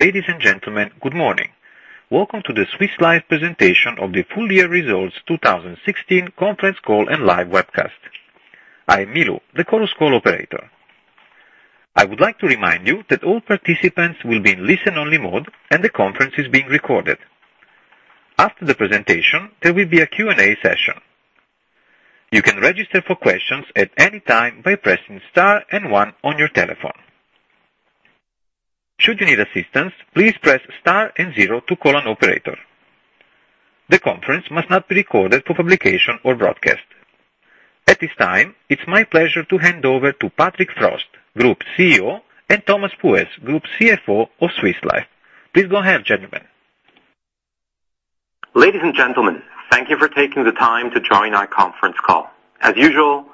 Ladies and gentlemen, good morning. Welcome to the Swiss Life presentation of the full year results 2016 conference call and live webcast. I am Milo, the call's operator. I would like to remind you that all participants will be in listen-only mode and the conference is being recorded. After the presentation, there will be a Q&A session. You can register for questions at any time by pressing Star and One on your telephone. Should you need assistance, please press Star and Zero to call an operator. The conference must not be recorded for publication or broadcast. At this time, it's my pleasure to hand over to Patrick Frost, Group CEO, and Thomas Buess, Group CFO of Swiss Life. Please go ahead, gentlemen. Ladies and gentlemen, thank you for taking the time to join our conference call. As usual,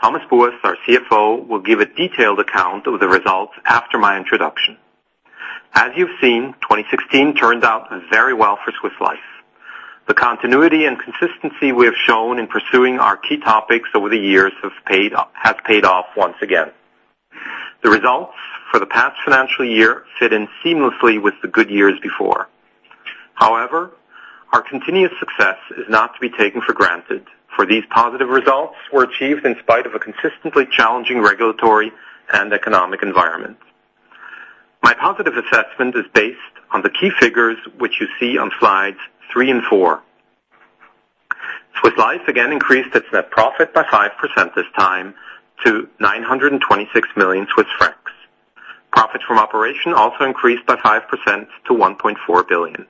Thomas Buess, our CFO, will give a detailed account of the results after my introduction. As you've seen, 2016 turned out very well for Swiss Life. The continuity and consistency we have shown in pursuing our key topics over the years has paid off once again. The results for the past financial year fit in seamlessly with the good years before. Our continuous success is not to be taken for granted, for these positive results were achieved in spite of a consistently challenging regulatory and economic environment. My positive assessment is based on the key figures which you see on slides three and four. Swiss Life again increased its net profit by 5% this time to 926 million Swiss francs. Profit from operation also increased by 5% to 1.4 billion.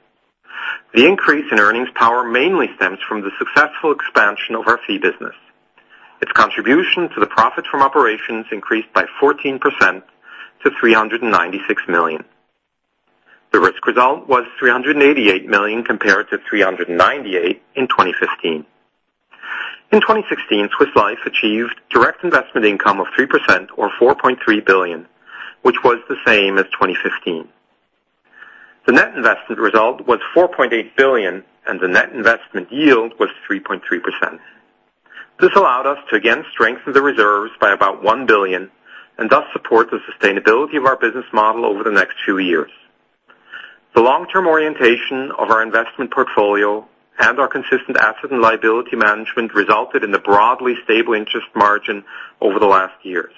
The increase in earnings power mainly stems from the successful expansion of our fee business. Its contribution to the profit from operations increased by 14% to 396 million. The risk result was 388 million compared to 398 million in 2015. In 2016, Swiss Life achieved direct investment income of 3% or 4.3 billion, which was the same as 2015. The net investment result was 4.8 billion, and the net investment yield was 3.3%. This allowed us to again strengthen the reserves by about 1 billion and thus support the sustainability of our business model over the next two years. The long-term orientation of our investment portfolio and our consistent asset and liability management resulted in a broadly stable interest margin over the last years.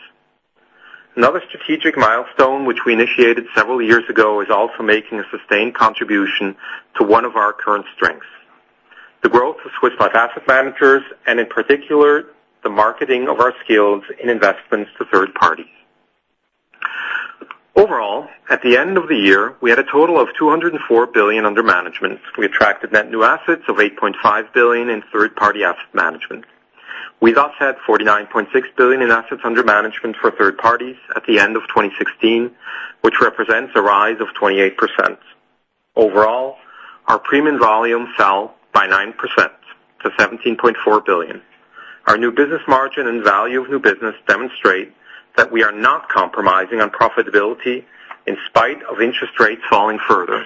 Another strategic milestone, which we initiated several years ago, is also making a sustained contribution to one of our current strengths. The growth of Swiss Life Asset Managers, and in particular, the marketing of our skills in investments to third parties. At the end of the year, we had a total of 204 billion under management. We attracted net new assets of 8.5 billion in third party asset management. We thus had 49.6 billion in assets under management for third parties at the end of 2016, which represents a rise of 28%. Our premium volume fell by 9% to 17.4 billion. Our new business margin and value of new business demonstrate that we are not compromising on profitability in spite of interest rates falling further.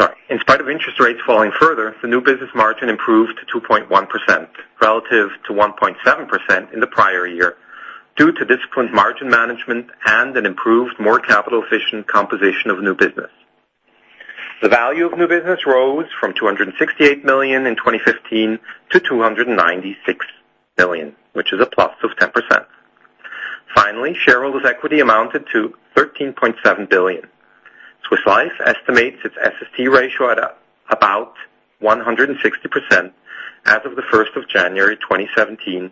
Sorry. In spite of interest rates falling further, the new business margin improved to 2.1%, relative to 1.7% in the prior year, due to disciplined margin management and an improved, more capital efficient composition of new business. The value of new business rose from CHF 268 million in 2015 to CHF 296 million, which is a plus of 10%. Finally, shareholders' equity amounted to CHF 13.7 billion. Swiss Life estimates its SST ratio at about 160% as of the 1st of January 2017,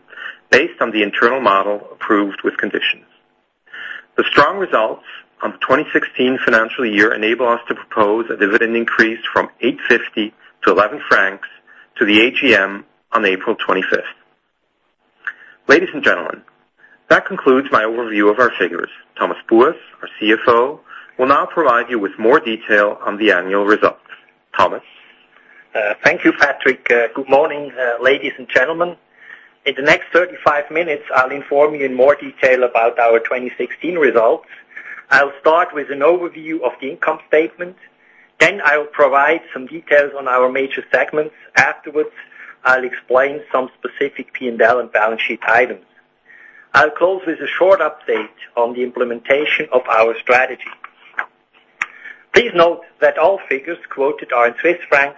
based on the internal model approved with conditions. The strong results of the 2016 financial year enable us to propose a dividend increase from 8.50 to 11 francs to the AGM on April 25th. Ladies and gentlemen, that concludes my overview of our figures. Thomas Buess, our CFO, will now provide you with more detail on the annual results. Thomas. Thank you, Patrick. Good morning, ladies and gentlemen. In the next 35 minutes, I'll inform you in more detail about our 2016 results. I'll start with an overview of the income statement. I will provide some details on our major segments. Afterwards, I'll explain some specific P&L and balance sheet items. I'll close with a short update on the implementation of our strategy. Please note that all figures quoted are in CHF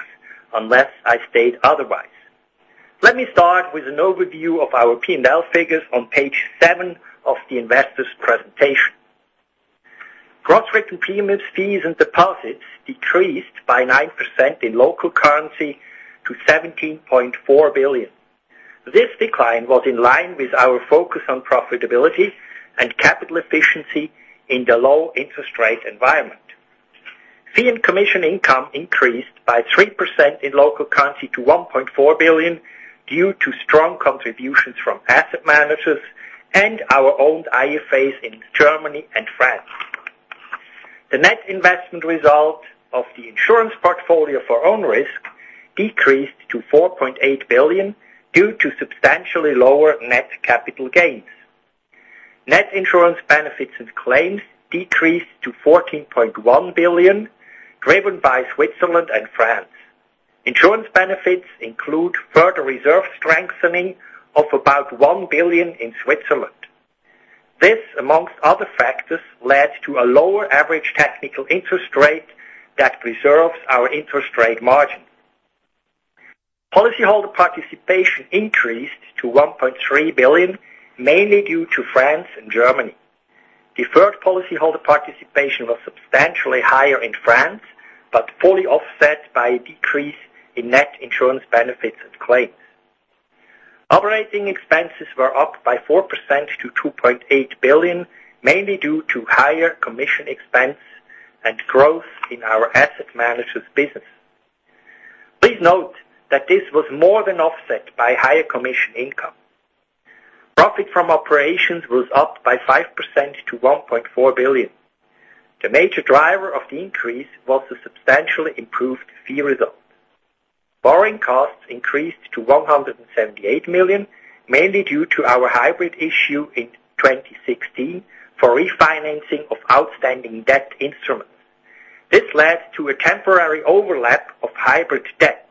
unless I state otherwise. Let me start with an overview of our P&L figures on page seven of the investor's presentation. Gross written premiums, fees, and deposits decreased by 9% in local currency to 17.4 billion. This decline was in line with our focus on profitability and capital efficiency in the low interest rate environment. Fee and commission income increased by 3% in local currency to 1.4 billion due to strong contributions from asset managers and our owned IFAs in Germany and France. The net investment result of the insurance portfolio for own risk decreased to 4.8 billion due to substantially lower net capital gains. Net insurance benefits and claims decreased to 14.1 billion, driven by Switzerland and France. Insurance benefits include further reserve strengthening of about 1 billion in Switzerland. This, amongst other factors, led to a lower average technical interest rate that preserves our interest rate margin. Policyholder participation increased to 1.3 billion, mainly due to France and Germany. Deferred policyholder participation was substantially higher in France, but fully offset by a decrease in net insurance benefits and claims. Operating expenses were up by 4% to 2.8 billion, mainly due to higher commission expense and growth in our asset management business. Please note that this was more than offset by higher commission income. Profit from operations was up by 5% to 1.4 billion. The major driver of the increase was the substantially improved fee result. Borrowing costs increased to 178 million, mainly due to our hybrid issue in 2016 for refinancing of outstanding debt instruments. This led to a temporary overlap of hybrid debt.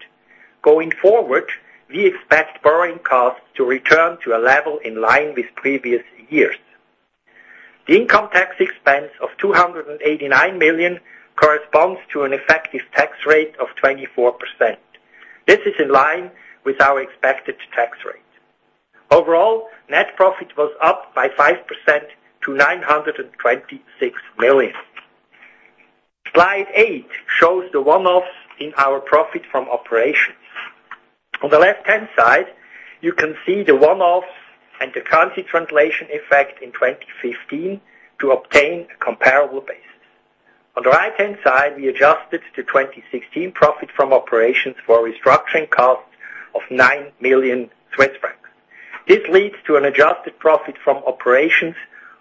Going forward, we expect borrowing costs to return to a level in line with previous years. The income tax expense of 289 million corresponds to an effective tax rate of 24%. This is in line with our expected tax rate. Overall, net profit was up by 5% to 926 million. Slide eight shows the one-offs in our profit from operations. On the left-hand side, you can see the one-offs and the currency translation effect in 2015 to obtain a comparable basis. On the right-hand side, we adjusted the 2016 profit from operations for restructuring costs of 9 million Swiss francs. This leads to an adjusted profit from operations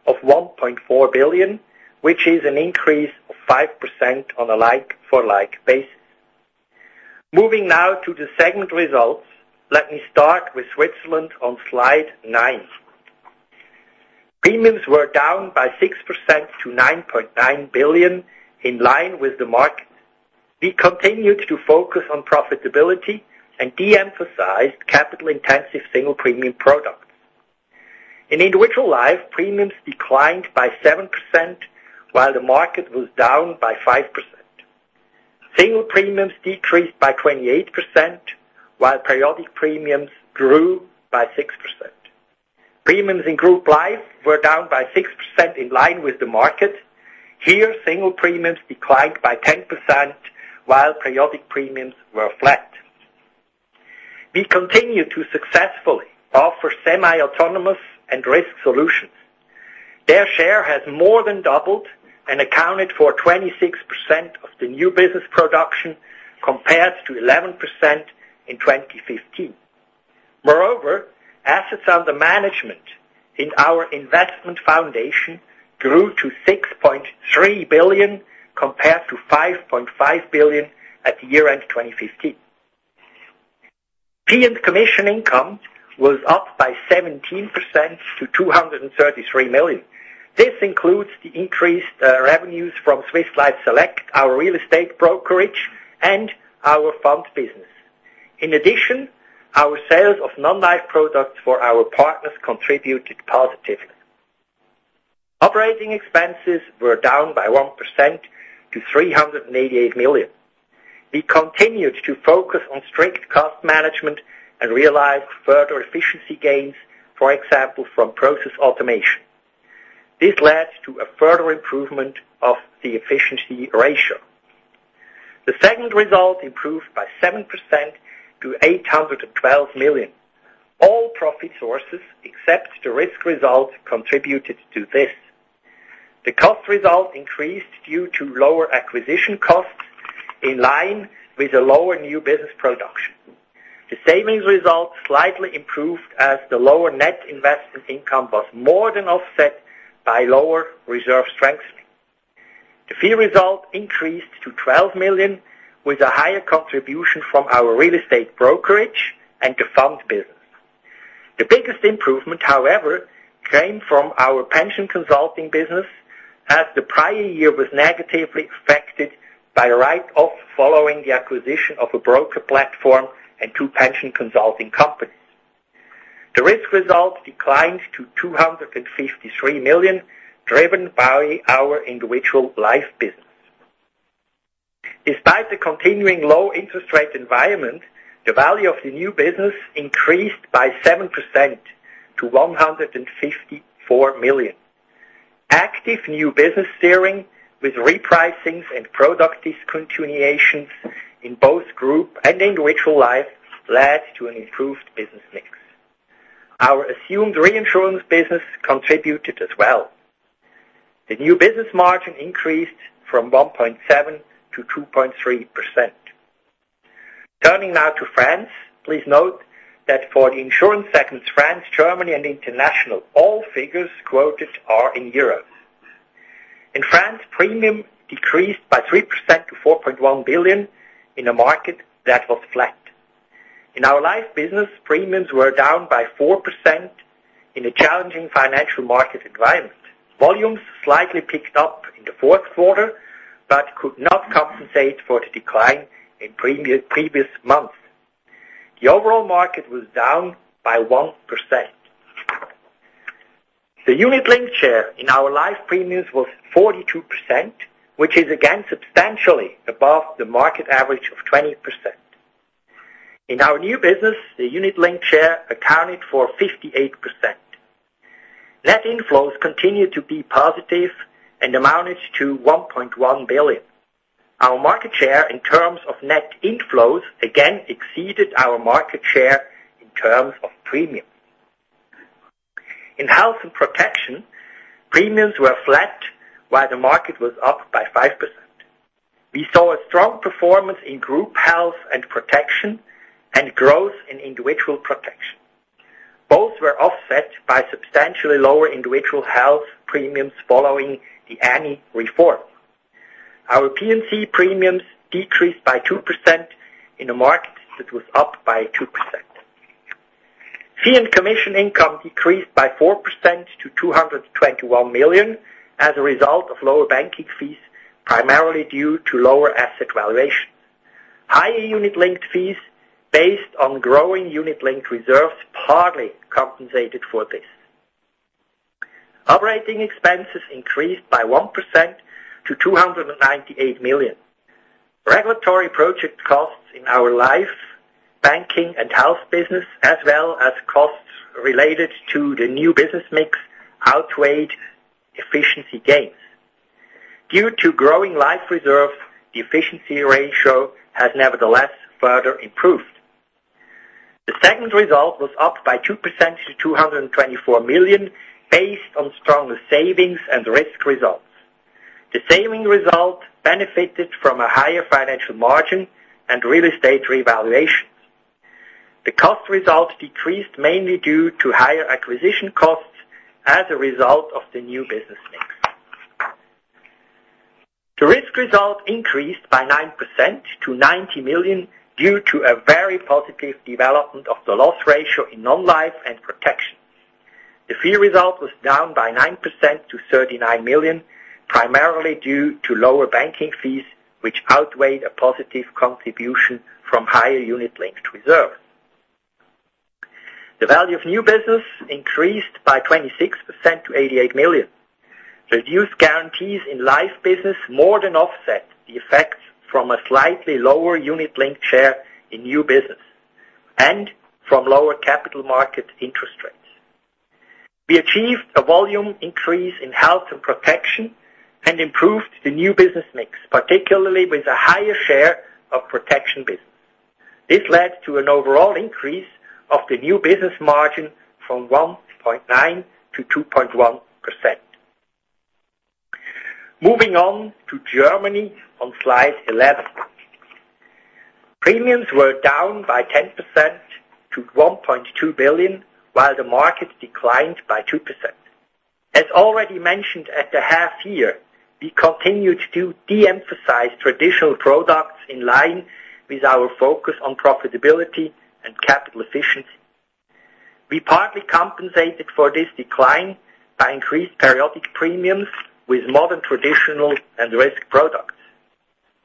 of 1.4 billion, which is an increase of 5% on a like-for-like basis. Moving now to the segment results. Let me start with Switzerland on slide nine. Premiums were down by 6% to 9.9 billion, in line with the market. We continued to focus on profitability and de-emphasized capital-intensive single premium products. In individual life, premiums declined by 7%, while the market was down by 5%. Single premiums decreased by 28%, while periodic premiums grew by 6%. Premiums in group life were down by 6% in line with the market. Here, single premiums declined by 10%, while periodic premiums were flat. We continue to successfully offer semi-autonomous and risk solutions. Their share has more than doubled and accounted for 26% of the new business production, compared to 11% in 2015. Moreover, assets under management in our investment foundation grew to 6.3 billion compared to 5.5 billion at the year-end 2015. Fee and commission income was up by 17% to 233 million. This includes the increased revenues from Swiss Life Select, our real estate brokerage, and our fund business. In addition, our sales of non-life products for our partners contributed positively. Operating expenses were down by 1% to 388 million. We continued to focus on strict cost management and realized further efficiency gains, for example, from process automation. This led to a further improvement of the efficiency ratio. The segment result improved by 7% to 812 million. All profit sources, except the risk result, contributed to this. The cost result increased due to lower acquisition costs in line with the lower new business production. The savings result slightly improved as the lower net investment income was more than offset by lower reserve strengthening. The fee result increased to 12 million with a higher contribution from our real estate brokerage and the fund business. The biggest improvement, however, came from our pension consulting business as the prior year was negatively affected by a write-off following the acquisition of a broker platform and two pension consulting companies. The risk result declined to 253 million, driven by our individual life business. Despite the continuing low interest rate environment, the value of the new business increased by 7% to 154 million. Active new business steering with repricings and product discontinuations in both group and individual life led to an improved business mix. Our assumed reinsurance business contributed as well. The new business margin increased from 1.7% to 2.3%. Turning now to France. Please note that for the insurance segments, France, Germany, and international, all figures quoted are in euros. In France, premium decreased by 3% to 4.1 billion in a market that was flat. In our life business, premiums were down by 4% in a challenging financial market environment. Volumes slightly picked up in the fourth quarter, but could not compensate for the decline in previous months. The overall market was down by 1%. The unit link share in our live premiums was 42%, which is again substantially above the market average of 20%. In our new business, the unit link share accounted for 58%. Net inflows continued to be positive and amounted to 1.1 billion. Our market share in terms of net inflows again exceeded our market share in terms of premium. In health and protection, premiums were flat, while the market was up by 5%. We saw a strong performance in group health and protection and growth in individual protection. Both were offset by substantially lower individual health premiums following the ANI reform. Our P&C premiums decreased by 2% in a market that was up by 2%. Fee and commission income decreased by 4% to 221 million as a result of lower banking fees, primarily due to lower asset valuations. Higher unit linked fees based on growing unit linked reserves partly compensated for this. Operating expenses increased by 1% to 298 million. Regulatory project costs in our life, banking, and health business, as well as costs related to the new business mix, outweighed efficiency gains. Due to growing life reserve, the efficiency ratio has nevertheless further improved. The segment result was up by 2% to 224 million, based on stronger savings and risk results. The saving result benefited from a higher financial margin and real estate revaluation. The cost result decreased mainly due to higher acquisition costs as a result of the new business mix. The risk result increased by 9% to 90 million due to a very positive development of the loss ratio in non-life and protection. The fee result was down by 9% to 39 million, primarily due to lower banking fees, which outweighed a positive contribution from higher unit linked reserves. The value of new business increased by 26% to 88 million. Reduced guarantees in life business more than offset the effects from a slightly lower unit link share in new business and from lower capital market interest rates. We achieved a volume increase in health and protection and improved the new business mix, particularly with a higher share of protection business. This led to an overall increase of the new business margin from 1.9% to 2.1%. Moving on to Germany on slide 11. Premiums were down by 10% to 1.2 billion, while the market declined by 2%. As already mentioned at the half year, we continued to de-emphasize traditional products in line with our focus on profitability and capital efficiency. We partly compensated for this decline by increased periodic premiums with modern traditional and risk products.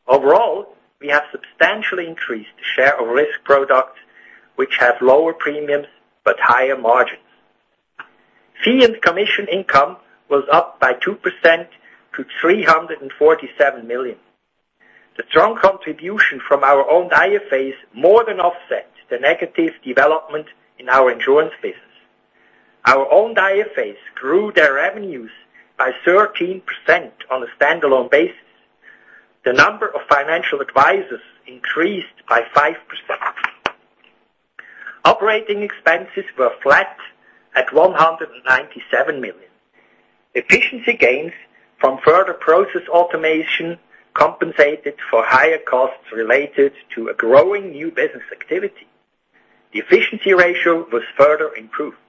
Overall, we have substantially increased the share of risk products which have lower premiums but higher margins. Fee and commission income was up by 2% to 347 million. The strong contribution from our own IFAs more than offset the negative development in our insurance business. Our own IFAs grew their revenues by 13% on a standalone basis. The number of financial advisors increased by 5%. Operating expenses were flat at 197 million. Efficiency gains from further process automation compensated for higher costs related to a growing new business activity. The efficiency ratio was further improved.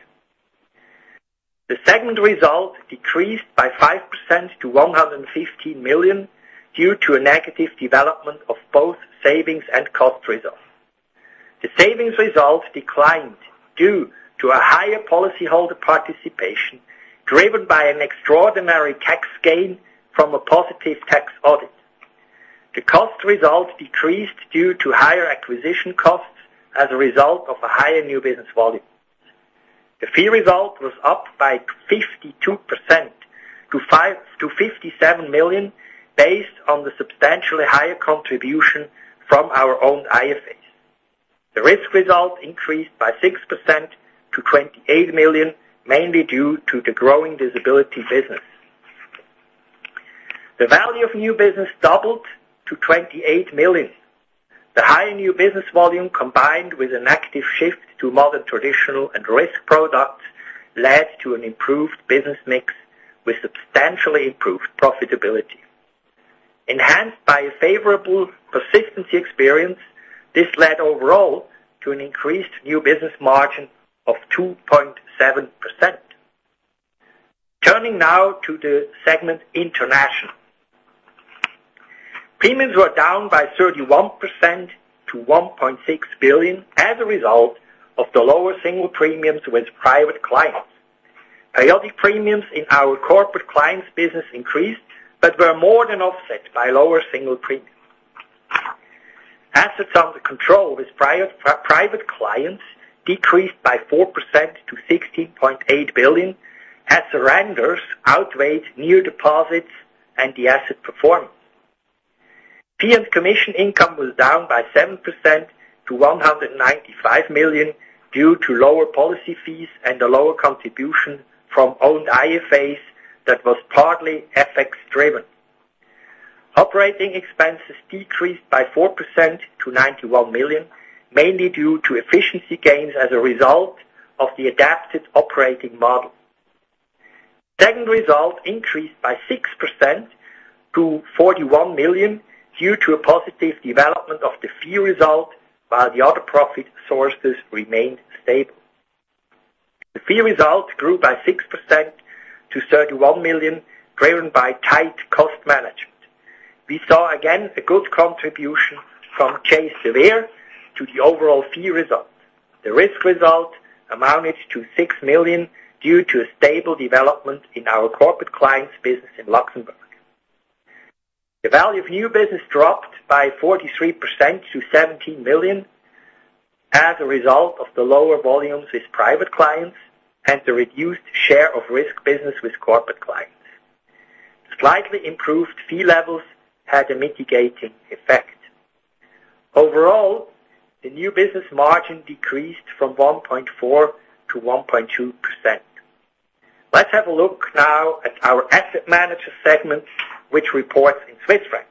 The segment result decreased by 5% to 115 million due to a negative development of both savings and cost results. The savings result declined due to a higher policyholder participation, driven by an extraordinary tax gain from a positive tax audit. The cost result decreased due to higher acquisition costs as a result of a higher new business volume. The fee result was up by 52% to 57 million, based on the substantially higher contribution from our own IFAs. The risk result increased by 6% to 28 million, mainly due to the growing disability business. The Value of New Business doubled to 28 million. The higher new business volume, combined with an active shift to modern traditional and risk products, led to an improved business mix with substantially improved profitability. Enhanced by a favorable persistency experience, this led overall to an increased new business margin of 2.7%. Turning now to the segment International. Premiums were down by 31% to 1.6 billion as a result of the lower single premiums with private clients. Periodic premiums in our corporate clients business increased, but were more than offset by lower single premiums. Assets under control with private clients decreased by 4% to 16.8 billion, as surrenders outweighed new deposits and the asset performance. Fee and commission income was down by 7% to 195 million due to lower policy fees and a lower contribution from owned IFAs that was partly FX driven. Operating expenses decreased by 4% to 91 million, mainly due to efficiency gains as a result of the adapted operating model. Second result increased by 6% to 41 million due to a positive development of the fee result, while the other profit sources remained stable. The fee result grew by 6% to 31 million, driven by tight cost management. We saw, again, a good contribution from Chase de Vere to the overall fee result. The risk result amounted to 6 million due to a stable development in our corporate clients business in Luxembourg. The Value of New Business dropped by 43% to 17 million as a result of the lower volumes with private clients and the reduced share of risk business with corporate clients. Slightly improved fee levels had a mitigating effect. Overall, the new business margin decreased from 1.4% to 1.2%. Let's have a look now at our Asset Managers segment, which reports in Swiss franc.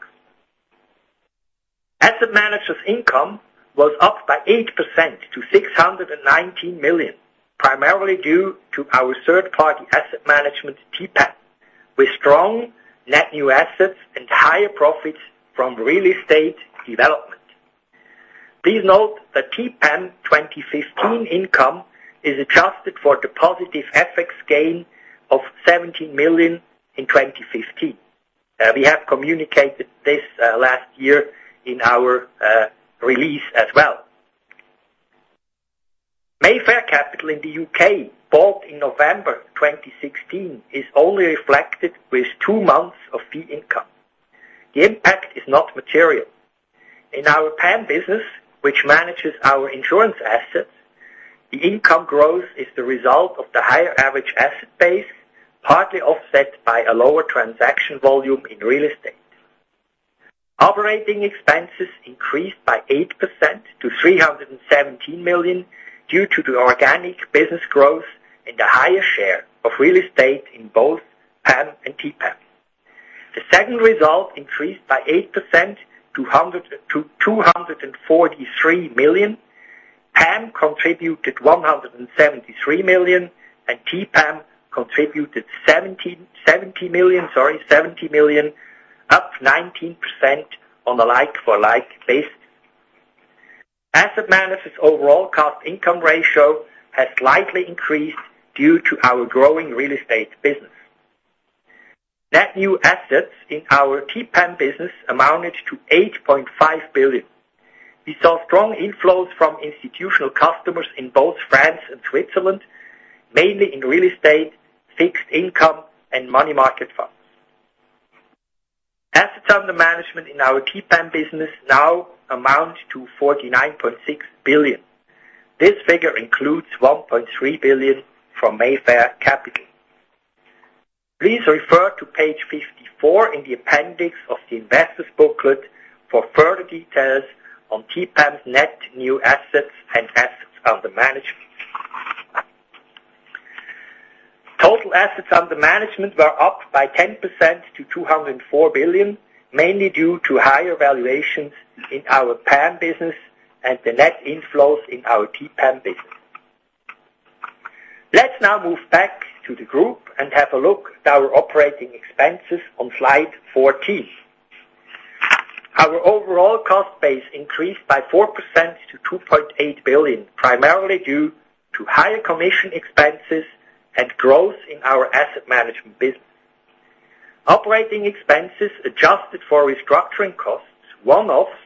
Asset Managers' income was up by 8% to 619 million, primarily due to our third-party asset management, TPAM, with strong net new assets and higher profits from real estate development. Please note that TPAM 2015 income is adjusted for the positive FX gain of 17 million in 2015. We have communicated this last year in our release as well. Mayfair Capital in the U.K., bought in November 2016, is only reflected with two months of fee income. The impact is not material. In our PAM business, which manages our insurance assets, the income growth is the result of the higher average asset base, partly offset by a lower transaction volume in real estate. Operating expenses increased by 8% to 317 million due to the organic business growth and the higher share of real estate in both PAM and TPAM. The second result increased by 8% to 243 million. PAM contributed 173 million and TPAM contributed 70 million, up 19% on a like-for-like basis. Asset Management's overall cost-income ratio has slightly increased due to our growing real estate business. Net new assets in our TPAM business amounted to 8.5 billion. We saw strong inflows from institutional customers in both France and Switzerland, mainly in real estate, fixed income, and money market funds. Assets under management in our TPAM business now amount to 49.6 billion. This figure includes 1.3 billion from Mayfair Capital. Please refer to page 54 in the appendix of the investors' booklet for further details on TPAM's net new assets and assets under management. Total assets under management were up by 10% to 204 billion, mainly due to higher valuations in our PAM business and the net inflows in our TPAM business. Let's now move back to the group and have a look at our operating expenses on slide 14. Our overall cost base increased by 4% to 2.8 billion, primarily due to higher commission expenses and growth in our asset management business. Operating expenses adjusted for restructuring costs, one-offs,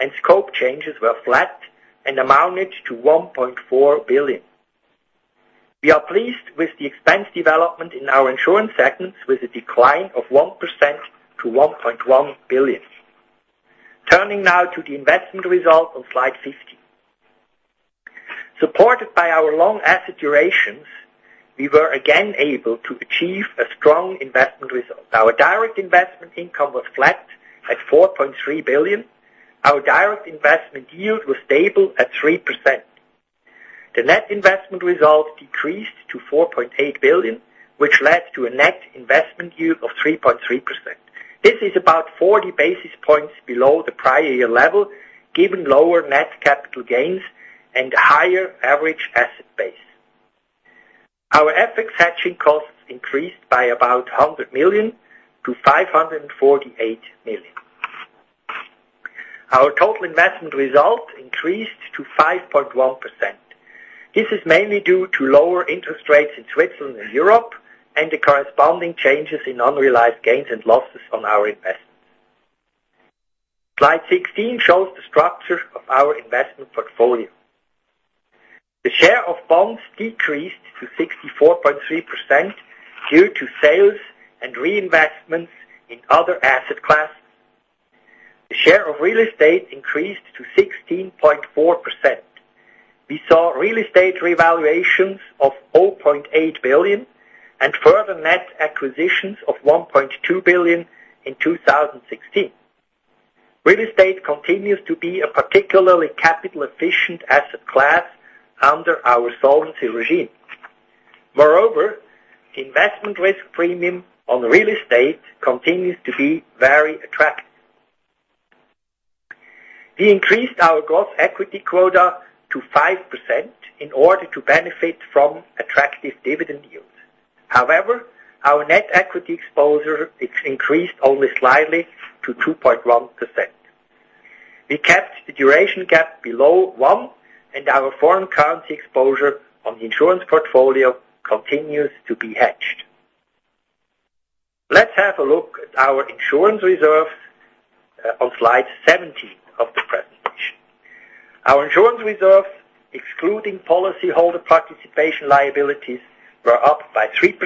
and scope changes were flat and amounted to 1.4 billion. We are pleased with the expense development in our insurance segments with a decline of 1% to 1.1 billion. Turning now to the investment result on slide 15. Supported by our long asset durations, we were again able to achieve a strong investment result. Our direct investment income was flat at 4.3 billion. Our direct investment yield was stable at 3%. The net investment result decreased to 4.8 billion, which led to a net investment yield of 3.3%. This is about 40 basis points below the prior year level, given lower net capital gains and higher average asset base. Our FX hedging costs increased by about 100 million to 548 million. Our total investment result increased to 5.1%. This is mainly due to lower interest rates in Switzerland and Europe, and the corresponding changes in unrealized gains and losses on our investments. Slide 16 shows the structure of our investment portfolio. The share of bonds decreased to 64.3% due to sales and reinvestments in other asset classes. The share of real estate increased to 16.4%. We saw real estate revaluations of 4.8 billion and further net acquisitions of 1.2 billion in 2016. Real estate continues to be a particularly capital-efficient asset class under our solvency regime. Moreover, investment risk premium on real estate continues to be very attractive. We increased our gross equity quota to 5% in order to benefit from attractive dividend yields. However, our net equity exposure increased only slightly to 2.1%. We kept the duration gap below one, and our foreign currency exposure on the insurance portfolio continues to be hedged. Let's have a look at our insurance reserves on slide 17 of the presentation. Our insurance reserves, excluding policyholder participation liabilities, were up by 3%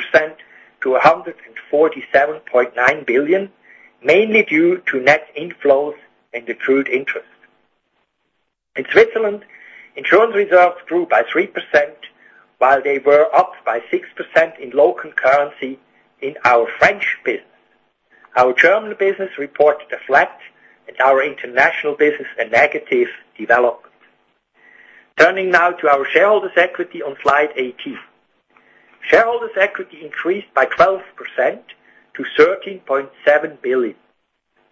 to 147.9 billion, mainly due to net inflows and accrued interest. In Switzerland, insurance reserves grew by 3%, while they were up by 6% in local currency in our French business. Our German business reported a flat, and our international business a negative development. Turning now to our shareholders' equity on slide 18. Shareholders' equity increased by 12% to 13.7 billion.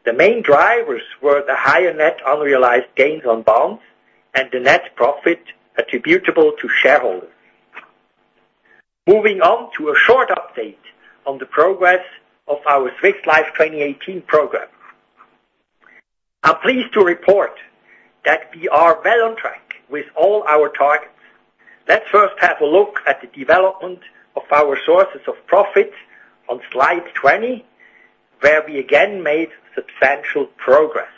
The main drivers were the higher net unrealized gains on bonds and the net profit attributable to shareholders. Moving on to a short update on the progress of our Swiss Life 2018 program. I'm pleased to report that we are well on track with all our targets. Let's first have a look at the development of our sources of profit on slide 20, where we again made substantial progress.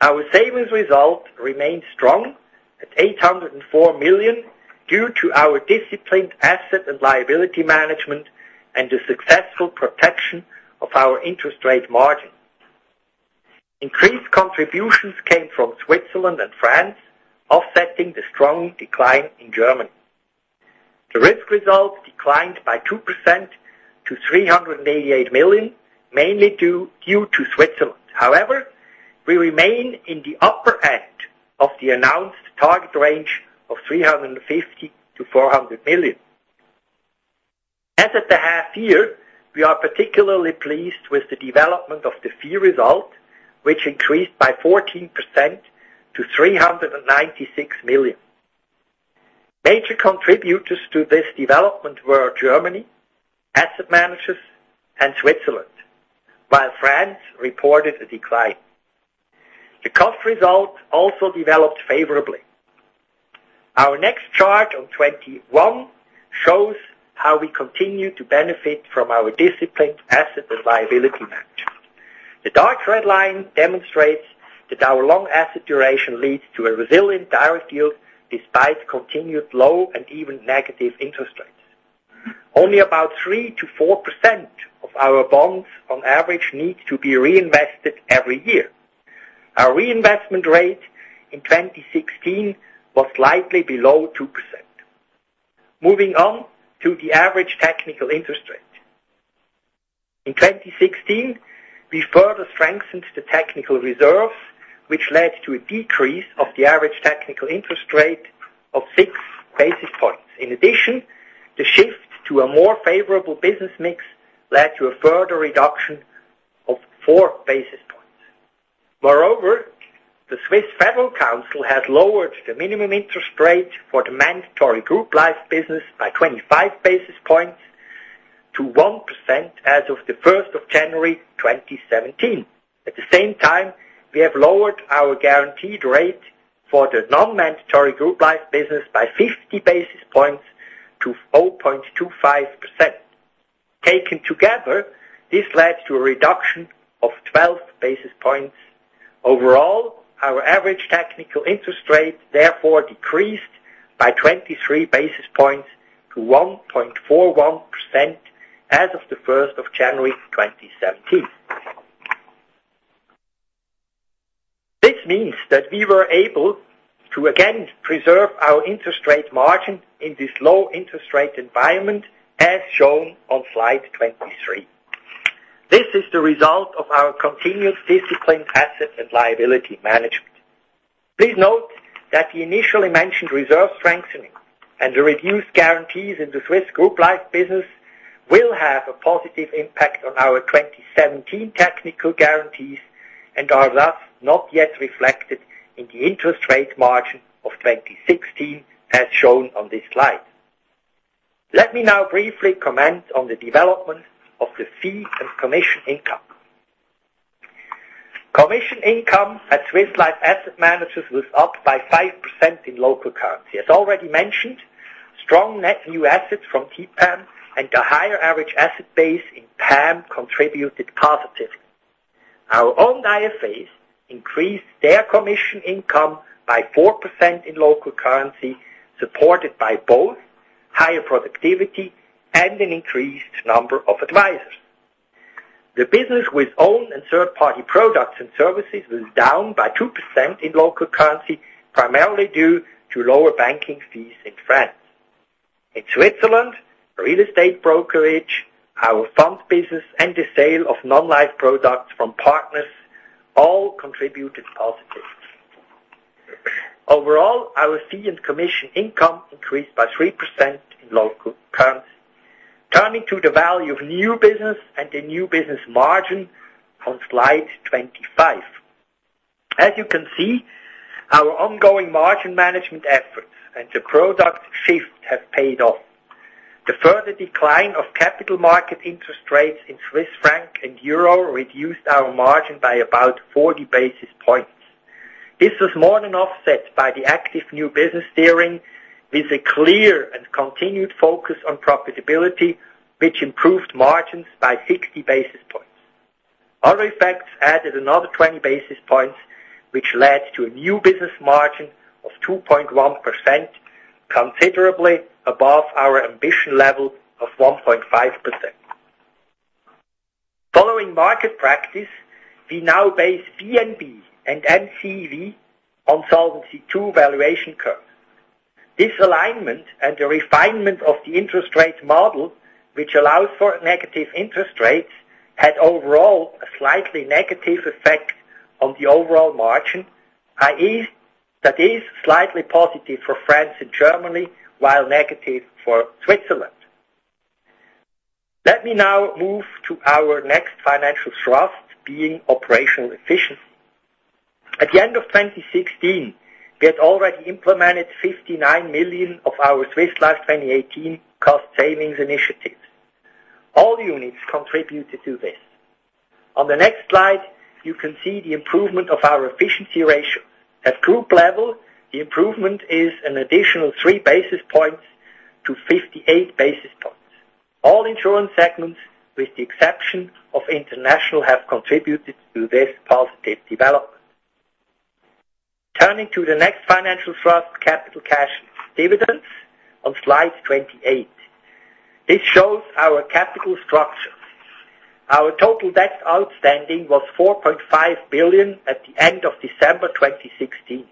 Our savings result remained strong at 804 million due to our disciplined asset and liability management and the successful protection of our interest rate margin. Increased contributions came from Switzerland and France, offsetting the strong decline in Germany. The risk result declined by 2% to 388 million, mainly due to Switzerland. However, we remain in the upper end of the announced target range of 350 million-400 million. As at the half year, we are particularly pleased with the development of the fee result, which increased by 14% to 396 million. Major contributors to this development were Germany, Asset Managers, and Switzerland, while France reported a decline. The cost result also developed favorably. Our next chart on 21 shows how we continue to benefit from our disciplined asset and liability management. The dark red line demonstrates that our long asset duration leads to a resilient direct yield despite continued low and even negative interest rates. Only about 3%-4% of our bonds on average need to be reinvested every year. Our reinvestment rate in 2016 was slightly below 2%. Moving on to the average technical interest rate. In 2016, we further strengthened the technical reserve, which led to a decrease of the average technical interest rate of six basis points. In addition, the shift to a more favorable business mix led to a further reduction of four basis points. Moreover, the Swiss Federal Council has lowered the minimum interest rate for the mandatory group life business by 25 basis points to 1% as of the 1st of January 2017. At the same time, we have lowered our guaranteed rate for the non-mandatory group life business by 50 basis points to 4.25%. Taken together, this led to a reduction of 12 basis points. Overall, our average technical interest rate therefore decreased by 23 basis points to 1.41% as of the 1st of January 2017. This means that we were able to again preserve our interest rate margin in this low interest rate environment, as shown on slide 23. This is the result of our continued disciplined asset and liability management. Please note that the initially mentioned reserve strengthening and the reduced guarantees in the Swiss group life business will have a positive impact on our 2017 technical guarantees and are thus not yet reflected in the interest rate margin of 2016 as shown on this slide. Let me now briefly comment on the development of the fee and commission income. Commission income at Swiss Life Asset Managers was up by 5% in local currency. As already mentioned, strong net new assets from TPAM and the higher average asset base in PAM contributed positively. Our own IFAs increased their commission income by 4% in local currency, supported by both higher productivity and an increased number of advisors. The business with owned and third-party products and services was down by 2% in local currency, primarily due to lower banking fees in France. In Switzerland, real estate brokerage, our funds business, and the sale of non-life products from partners all contributed positively. Overall, our fee and commission income increased by 3% in local currency. Turning to the value of new business and the new business margin on slide 25. As you can see, our ongoing margin management efforts and the product shift have paid off. The further decline of capital market interest rates in Swiss franc and euro reduced our margin by about 40 basis points. This was more than offset by the active new business steering with a clear and continued focus on profitability, which improved margins by 60 basis points. Other effects added another 20 basis points, which led to a new business margin of 2.1%, considerably above our ambition level of 1.5%. Following market practice, we now base VNB and MCEV on Solvency II valuation curve. This alignment and the refinement of the interest rate model, which allows for negative interest rates, had overall a slightly negative effect on the overall margin. That is slightly positive for France and Germany, while negative for Switzerland. Let me now move to our next financial thrust, being operational efficiency. At the end of 2016, we had already implemented 59 million of our Swiss Life 2018 cost savings initiatives. All units contributed to this. On the next slide, you can see the improvement of our efficiency ratio. At group level, the improvement is an additional three basis points to 58 basis points. All insurance segments, with the exception of international, have contributed to this positive development. Turning to the next financial thrust, capital, cash, dividends on slide 28. This shows our capital structure. Our total debt outstanding was 4.5 billion at the end of December 2016.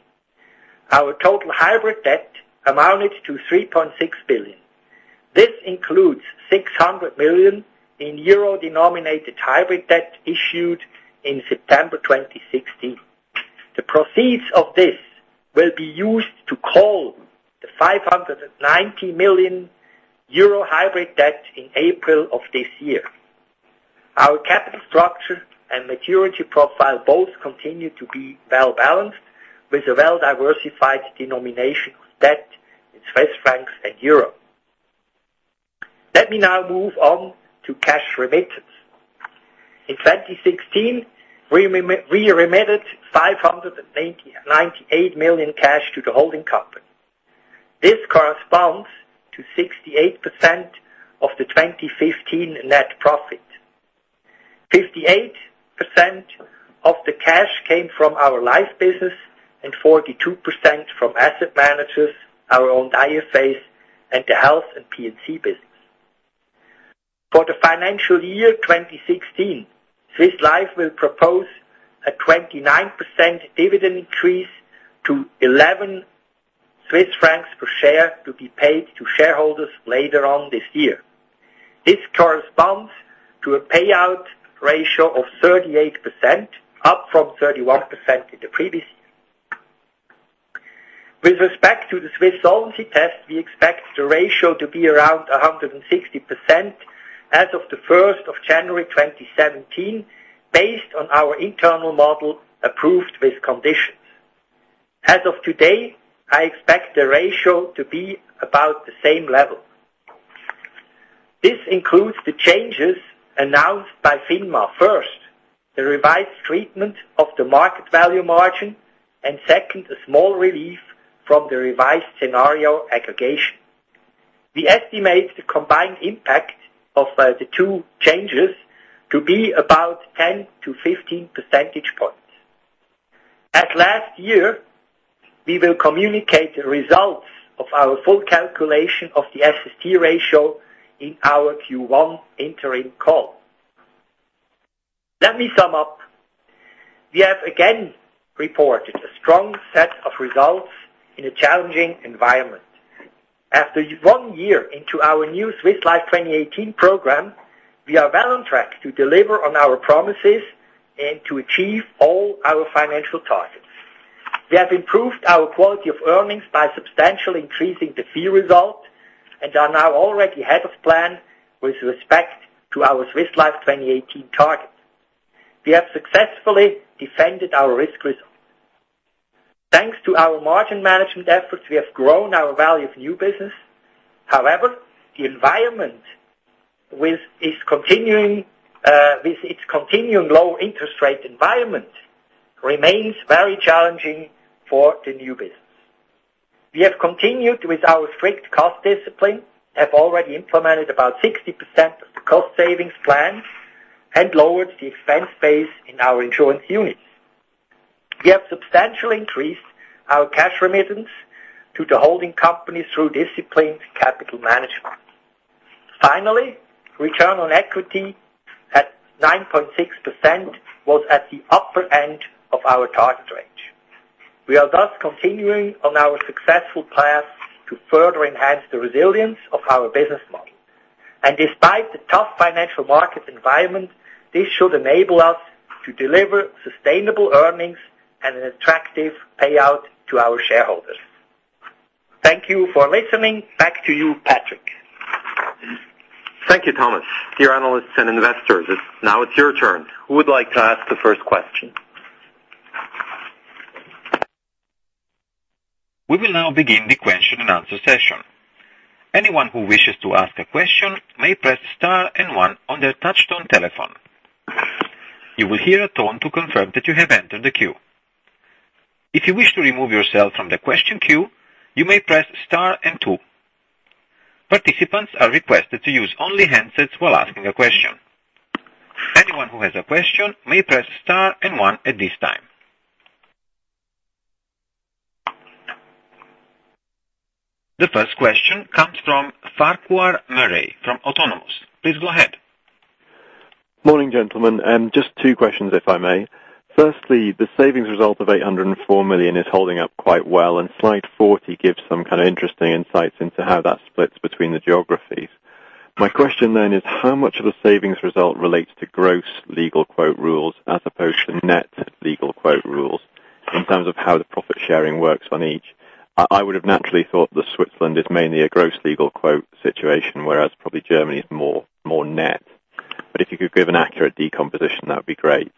Our total hybrid debt amounted to 3.6 billion. This includes 600 million in euro-denominated hybrid debt issued in September 2016. The proceeds of this will be used to call the 590 million euro hybrid debt in April of this year. Our capital structure and maturity profile both continue to be well-balanced with a well-diversified denomination of debt in Swiss francs and euro. Let me now move on to cash remittance. In 2016, we remitted 598 million cash to the holding company. This corresponds to 68% of the 2015 net profit. 58% of the cash came from our life business and 42% from asset managers, our own IFAs, and the health and P&C business. For the financial year 2016, Swiss Life will propose a 29% dividend increase to 11 Swiss francs per share to be paid to shareholders later on this year. This corresponds to a payout ratio of 38%, up from 31% in the previous year. With respect to the Swiss Solvency Test, we expect the ratio to be around 160% as of the 1st of January 2017, based on our internal model approved with conditions. As of today, I expect the ratio to be about the same level. This includes the changes announced by FINMA. First, the revised treatment of the market value margin, and second, a small relief from the revised scenario aggregation. We estimate the combined impact of the two changes to be about 10 to 15 percentage points. As last year, we will communicate the results of our full calculation of the SST ratio in our Q1 interim call. Let me sum up. We have again reported a strong set of results in a challenging environment. After one year into our new Swiss Life 2018 program, we are well on track to deliver on our promises and to achieve all our financial targets. We have improved our quality of earnings by substantially increasing the fee result and are now already ahead of plan with respect to our Swiss Life 2018 targets. We have successfully defended our risk resilience. Thanks to our margin management efforts, we have grown our Value of New Business. However, the environment with its continuing low interest rate environment remains very challenging for the new business. We have continued with our strict cost discipline, have already implemented about 60% of the cost savings plan, and lowered the expense base in our insurance units. We have substantially increased our cash remittance to the holding companies through disciplined capital management. Finally, return on equity at 9.6% was at the upper end of our target range. We are thus continuing on our successful path to further enhance the resilience of our business model. Despite the tough financial market environment, this should enable us to deliver sustainable earnings and an attractive payout to our shareholders. Thank you for listening. Back to you, Patrick. Thank you, Thomas. Dear analysts and investors, now it's your turn. Who would like to ask the first question? We will now begin the question and answer session. Anyone who wishes to ask a question may press star and one on their touchtone telephone. You will hear a tone to confirm that you have entered the queue. If you wish to remove yourself from the question queue, you may press star and two. Participants are requested to use only handsets while asking a question. Anyone who has a question may press star and one at this time. The first question comes from Farquhar Murray from Autonomous. Please go ahead. Morning, gentlemen. Just two questions, if I may. Firstly, the savings result of 804 million is holding up quite well, and slide 40 gives some kind of interesting insights into how that splits between the geographies. My question then is how much of the savings result relates to gross legal quota rules as opposed to net legal quota rules in terms of how the profit sharing works on each? I would have naturally thought that Switzerland is mainly a gross legal quote situation, whereas probably Germany is more net. If you could give an accurate decomposition, that would be great.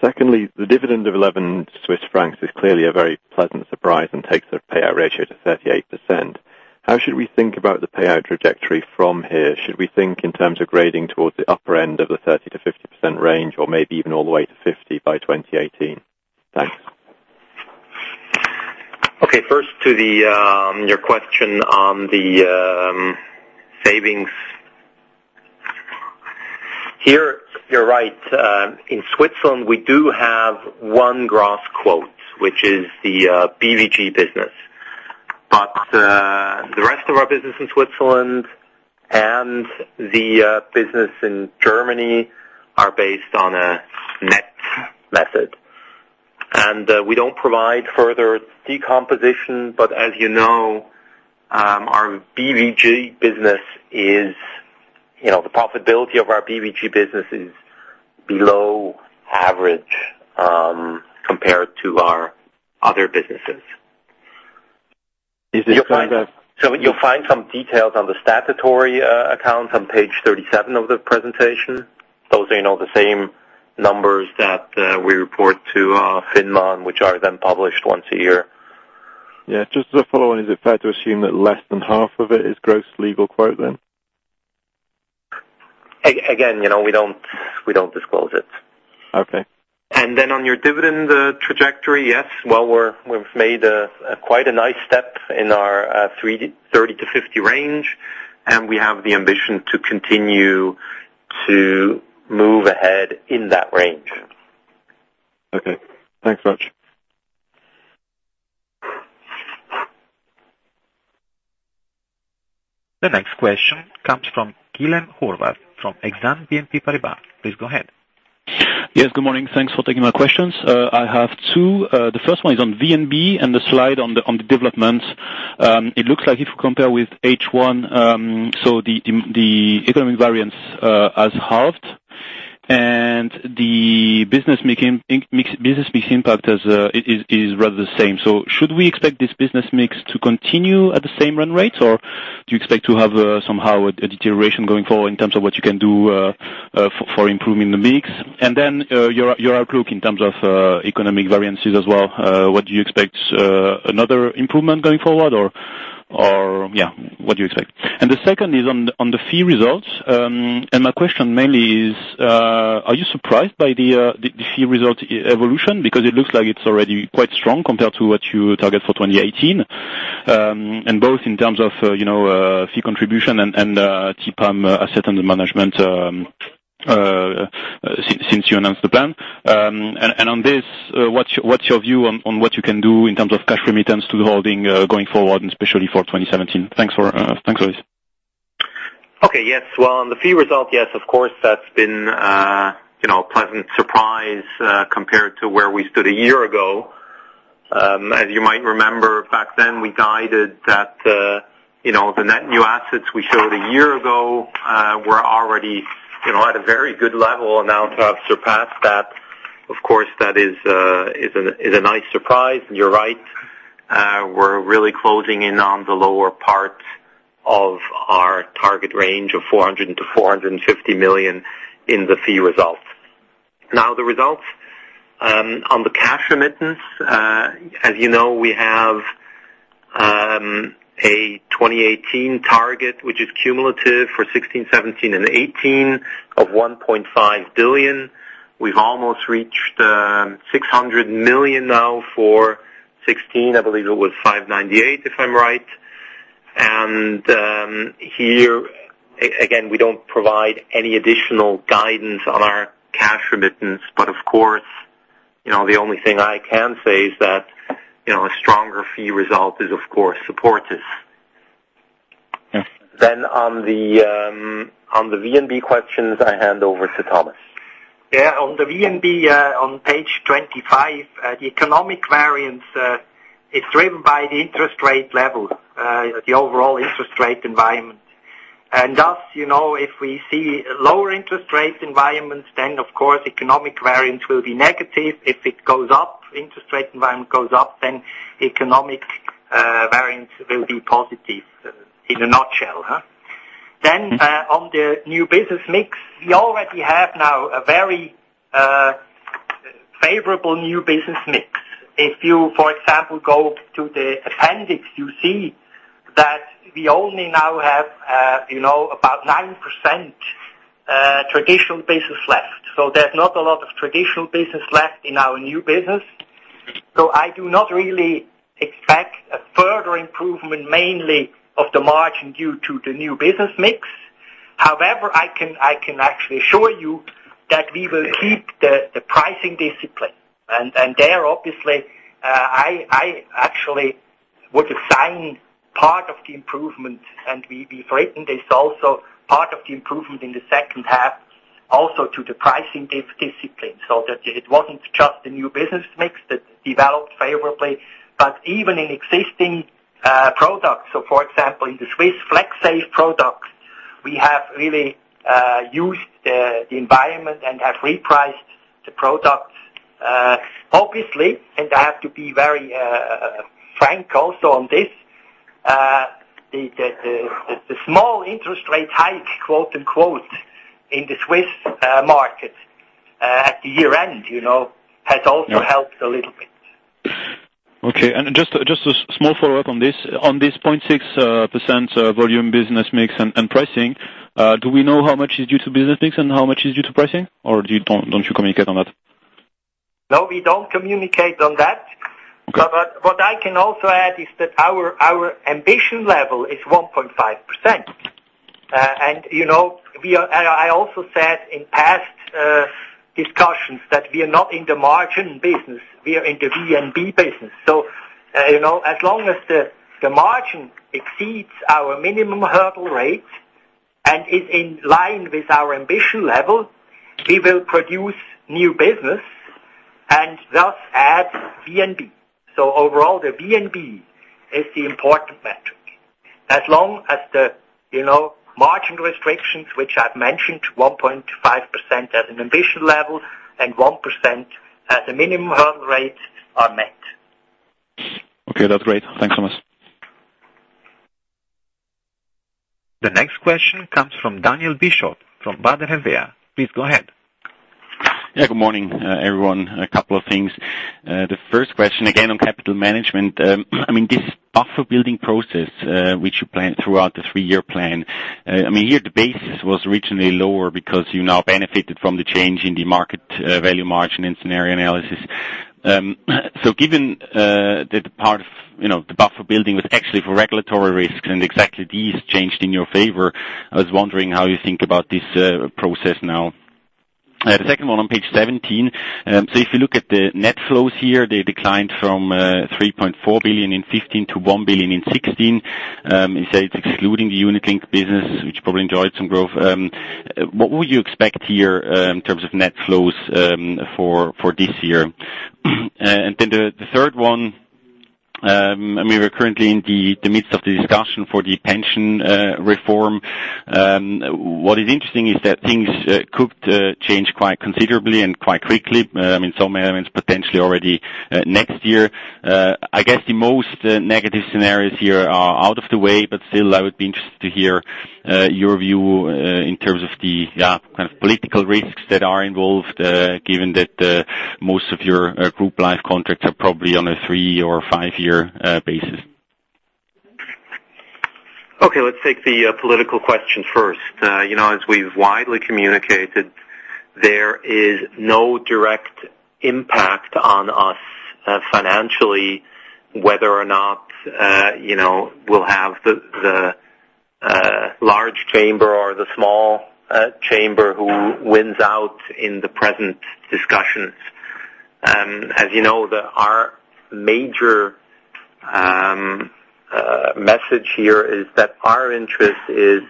Secondly, the dividend of 11 Swiss francs is clearly a very pleasant surprise and takes the payout ratio to 38%. How should we think about the payout trajectory from here? Should we think in terms of grading towards the upper end of the 30%-50% range, or maybe even all the way to 50 by 2018? Thanks. Okay. First to your question on the savings. Here, you're right. In Switzerland, we do have one gross quota, which is the BVG business. The rest of our business in Switzerland and the business in Germany are based on a net method. We don't provide further decomposition, but as you know, the profitability of our BVG business is below average compared to our other businesses. Is it kind of- You'll find some details on the statutory account on page 37 of the presentation. Those are the same numbers that we report to FINMA, which are then published once a year. Yeah. Just as a follow-on, is it fair to assume that less than half of it is gross legal quota then? Again, we don't disclose it. Okay. On your dividend trajectory, yes. Well, we've made quite a nice step in our 30 to 50 range, and we have the ambition to continue to move ahead in that range. Okay. Thanks much. The next question comes from Guilan Horvat from Exane BNP Paribas. Please go ahead. Yes, good morning. Thanks for taking my questions. I have two. The first one is on VNB and the slide on the development. It looks like if you compare with H1, the economic variance has halved and the business mix impact is rather the same. Should we expect this business mix to continue at the same run rate, or do you expect to have somehow a deterioration going forward in terms of what you can do for improving the mix? Your outlook in terms of economic variances as well. What do you expect, another improvement going forward? Yeah. What do you expect? The second is on the fee results. My question mainly is, are you surprised by the fee result evolution? Because it looks like it's already quite strong compared to what you targeted for 2018. Both in terms of fee contribution and TPAM asset under management since you announced the plan. On this, what's your view on what you can do in terms of cash remittance to the holding going forward, and especially for 2017? Thanks a lot. Okay. Yes. Well, on the fee result, yes, of course, that's been a pleasant surprise compared to where we stood a year ago. As you might remember, back then, we guided that the net new assets we showed a year ago were already at a very good level. Now to have surpassed that, of course, that is a nice surprise. You're right. We're really closing in on the lower parts of our target range of 400 million-450 million in the fee results. Now, the results on the cash remittance. As you know, we have a Swiss Life 2018 target, which is cumulative for 2016, 2017, and 2018 of 1.5 billion. We've almost reached 600 million now for 2016. I believe it was 598, if I'm right. Here, again, we don't provide any additional guidance on our cash remittance, but of course, the only thing I can say is that a stronger fee result is, of course, supportive. On the VNB questions, I hand over to Thomas. On the VNB on page 25, the economic variance, is driven by the interest rate level, the overall interest rate environment. Thus, if we see lower interest rate environments, then of course, economic variance will be negative. If it goes up, interest rate environment goes up, then economic variance will be positive, in a nutshell. On the new business mix, we already have now a very favorable new business mix. If you, for example, go to the appendix, you see that we only now have about 9% traditional business left. There's not a lot of traditional business left in our new business. I do not really expect a further improvement, mainly of the margin due to the new business mix. I can actually assure you that we will keep the pricing discipline. There, obviously, I actually would assign part of the improvement, and we've written this also, part of the improvement in the second half, also to the pricing discipline, so that it wasn't just the new business mix that developed favorably, but even in existing products. For example, in the Swiss Life FlexSave products, we have really used the environment and have repriced the products. Obviously, and I have to be very frank also on this, the small interest rate hike, quote, unquote, "in the Swiss market" at the year-end, has also helped a little bit. Just a small follow-up on this. On this 0.6% volume business mix and pricing, do we know how much is due to business mix and how much is due to pricing, or don't you communicate on that? What I can also add is that our ambition level is 1.5%. I also said in past discussions that we are not in the margin business, we are in the VNB business. As long as the margin exceeds our minimum hurdle rate and is in line with our ambition level, we will produce new business and thus add VNB. Overall, the VNB is the important metric. As long as the margin restrictions, which I've mentioned, 1.5% as an ambition level and 1% as a minimum hurdle rate are met. Okay, that's great. Thanks so much. The next question comes from Daniel Bischof, from Vontobel. Please go ahead. Good morning, everyone. A couple of things. The first question, again, on capital management. This buffer building process, which you plan throughout the three-year plan. Here the basis was originally lower because you now benefited from the change in the market value margin and scenario analysis. Given that the part of the buffer building was actually for regulatory risk, and exactly these changed in your favor, I was wondering how you think about this process now. The second one on page 17. If you look at the net flows here, they declined from 3.4 billion in 2015 to 1 billion in 2016. You say it's excluding the unit link business, which probably enjoyed some growth. What would you expect here in terms of net flows for this year? Then the third one, we are currently in the midst of the discussion for the pension reform. What is interesting is that things could change quite considerably and quite quickly, in some elements, potentially already next year. I guess the most negative scenarios here are out of the way, but still, I would be interested to hear your view in terms of the political risks that are involved, given that most of your group life contracts are probably on a three or five-year basis. Let's take the political question first. As we've widely communicated, there is no direct impact on us financially whether or not we'll have the large chamber or the small chamber who wins out in the present discussions. As you know, our major message here is that our interest is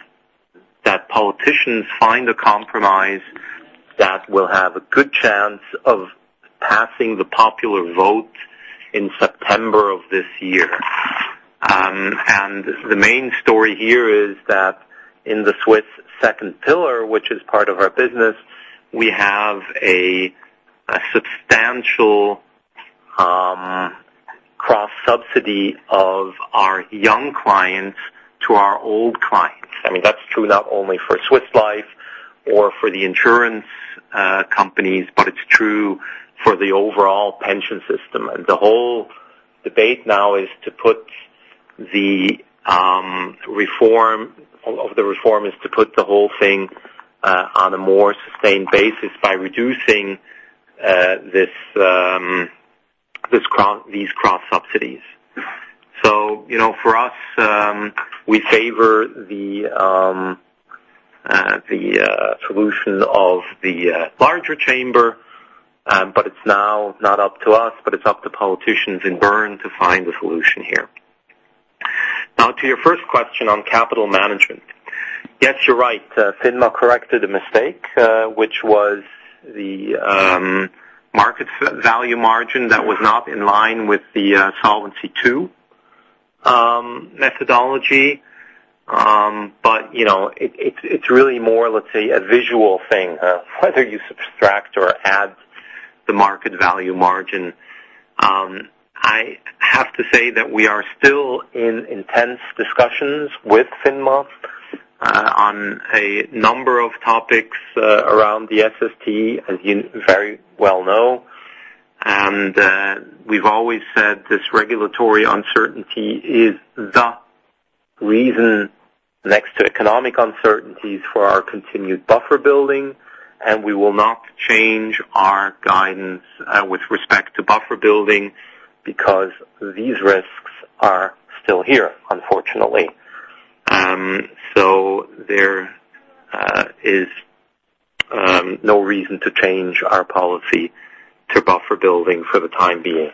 that politicians find a compromise that will have a good chance of passing the popular vote in September of this year. The main story here is that in the Swiss second pillar, which is part of our business, we have a substantial cross-subsidy of our young clients to our old clients. That's true not only for Swiss Life or for the insurance companies, but it's true for the overall pension system. The whole debate now of the reform is to put the whole thing on a more sustained basis by reducing these cross subsidies. For us, we favor the solution of the larger chamber, but it's now not up to us, but it's up to politicians in Bern to find a solution here. To your first question on capital management. Yes, you're right. FINMA corrected a mistake, which was the market value margin that was not in line with the Solvency II methodology. It's really more, let's say, a visual thing, whether you subtract or add the market value margin. I have to say that we are still in intense discussions with FINMA on a number of topics around the SST, as you very well know. We've always said this regulatory uncertainty is the reason, next to economic uncertainties, for our continued buffer building, and we will not change our guidance with respect to buffer building, because these risks are still here, unfortunately. There is no reason to change our policy to buffer building for the time being.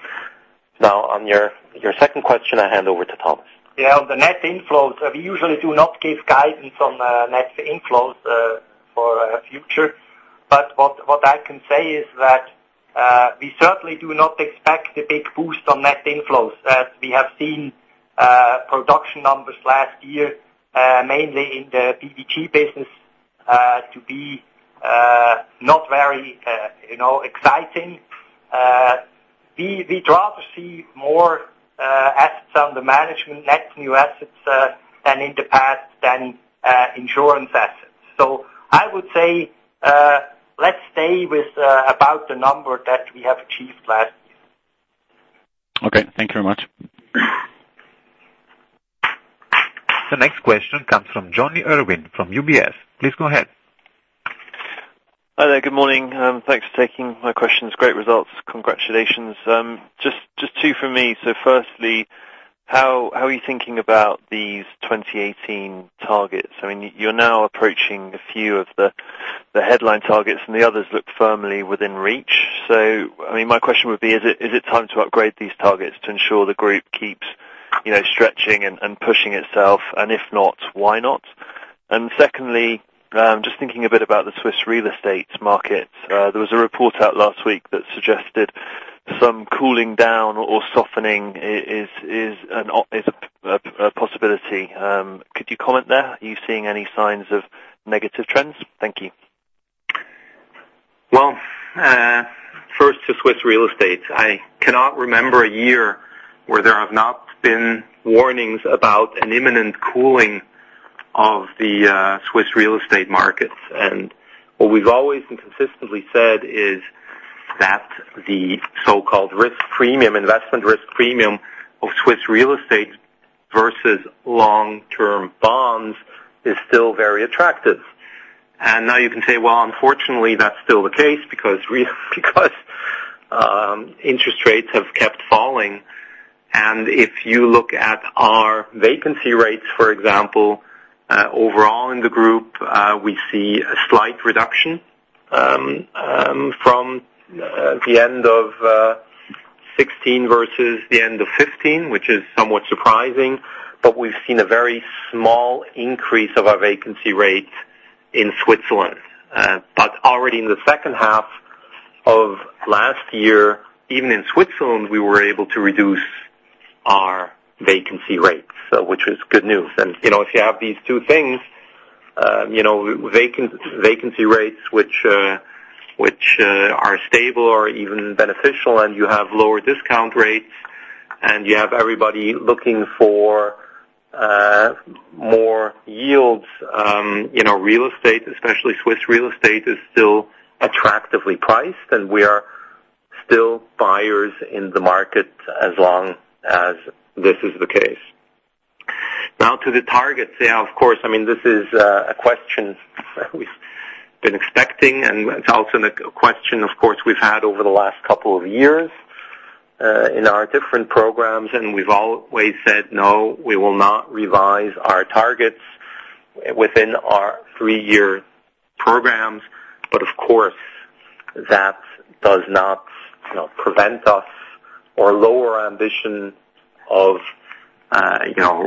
On your second question, I hand over to Thomas. on the net inflows, we usually do not give guidance on net inflows for future. What I can say is that we certainly do not expect a big boost on net inflows. As we have seen production numbers last year, mainly in the BVG business to be not very exciting. We'd rather see more assets under management, net new assets than in the past than insurance assets. I would say, let's stay with about the number that we have achieved last year. Okay. Thank you very much. The next question comes from Jonny Urwin from UBS. Please go ahead. Hi there. Good morning. Thanks for taking my questions. Great results. Congratulations. Just two from me. Firstly, how are you thinking about these 2018 targets? You're now approaching a few of the headline targets, and the others look firmly within reach. My question would be, is it time to upgrade these targets to ensure the group keeps stretching and pushing itself? If not, why not? Secondly, just thinking a bit about the Swiss real estate market. There was a report out last week that suggested some cooling down or softening is a possibility. Could you comment there? Are you seeing any signs of negative trends? Thank you. Well, first to Swiss real estate. I cannot remember a year where there have not been warnings about an imminent cooling of the Swiss real estate market. What we've always and consistently said is that the so-called investment risk premium of Swiss real estate versus long-term bonds is still very attractive. Now you can say, well, unfortunately, that's still the case because interest rates have kept falling. If you look at our vacancy rates, for example, overall in the group, we see a slight reduction from the end of 2016 versus the end of 2015, which is somewhat surprising. We've seen a very small increase of our vacancy rate in Switzerland. Already in the second half of last year, even in Switzerland, we were able to reduce our vacancy rates. Which is good news. If you have these two things, vacancy rates which are stable or even beneficial, and you have lower discount rates, and you have everybody looking for more yields. Real estate, especially Swiss real estate, is still attractively priced, and we are still buyers in the market as long as this is the case. Now to the targets. Of course, this is a question we've been expecting, and it's also a question, of course, we've had over the last couple of years in our different programs, and we've always said, no, we will not revise our targets within our three-year programs. Of course, that does not prevent us or lower our ambition of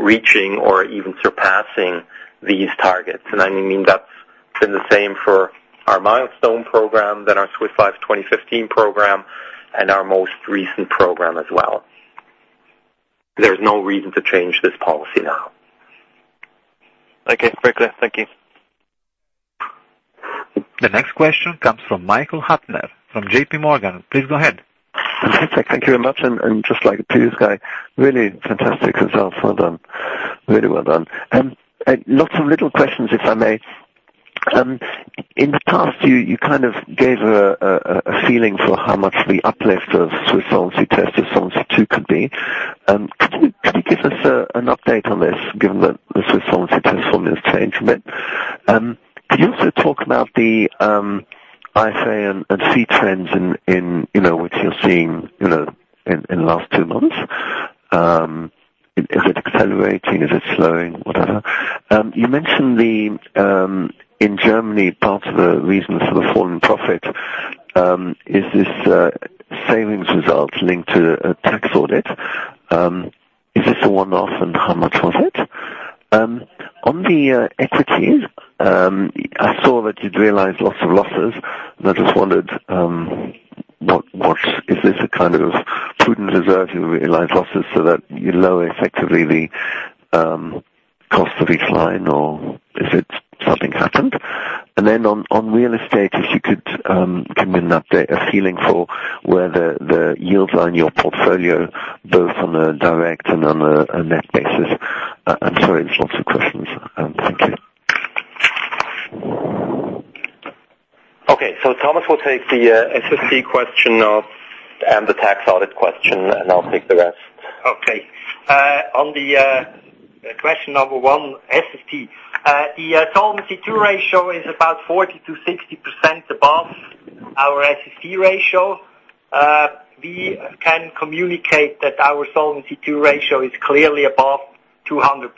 reaching or even surpassing these targets. I mean that It's been the same for our milestone program, then our Swiss Life 2015 program, and our most recent program as well. There's no reason to change this policy now. Okay, very clear. Thank you. The next question comes from Michael Huttner, from J.P. Morgan. Please go ahead. Thank you very much. Just like the previous guy, really fantastic results. Well done. Really well done. Lots of little questions, if I may. In the past, you gave a feeling for how much the uplift of Swiss Solvency Test Solvency II could be. Could you give us an update on this, given that the Swiss Solvency Test formula has changed a bit? Could you also talk about the IFA and fee trends in which you're seeing, in the last two months? Is it accelerating? Is it slowing? Whatever. You mentioned in Germany, part of the reasons for the fall in profit, is this savings results linked to a tax audit. Is this a one-off, and how much was it? On the equities, I saw that you'd realized lots of losses, I just wondered, is this a kind of prudent reserve to realize losses so that you lower effectively the cost of each line, or if something happened? Then on real estate, if you could give me an update, a feeling for where the yields are in your portfolio, both on a direct and on a net basis. I'm sorry, it's lots of questions. Thank you. Okay. Thomas will take the SST question and the tax audit question, I'll take the rest. Okay. On the question number one, SST. The Solvency II ratio is about 40%-60% above our SST ratio. We can communicate that our Solvency II ratio is clearly above 200%.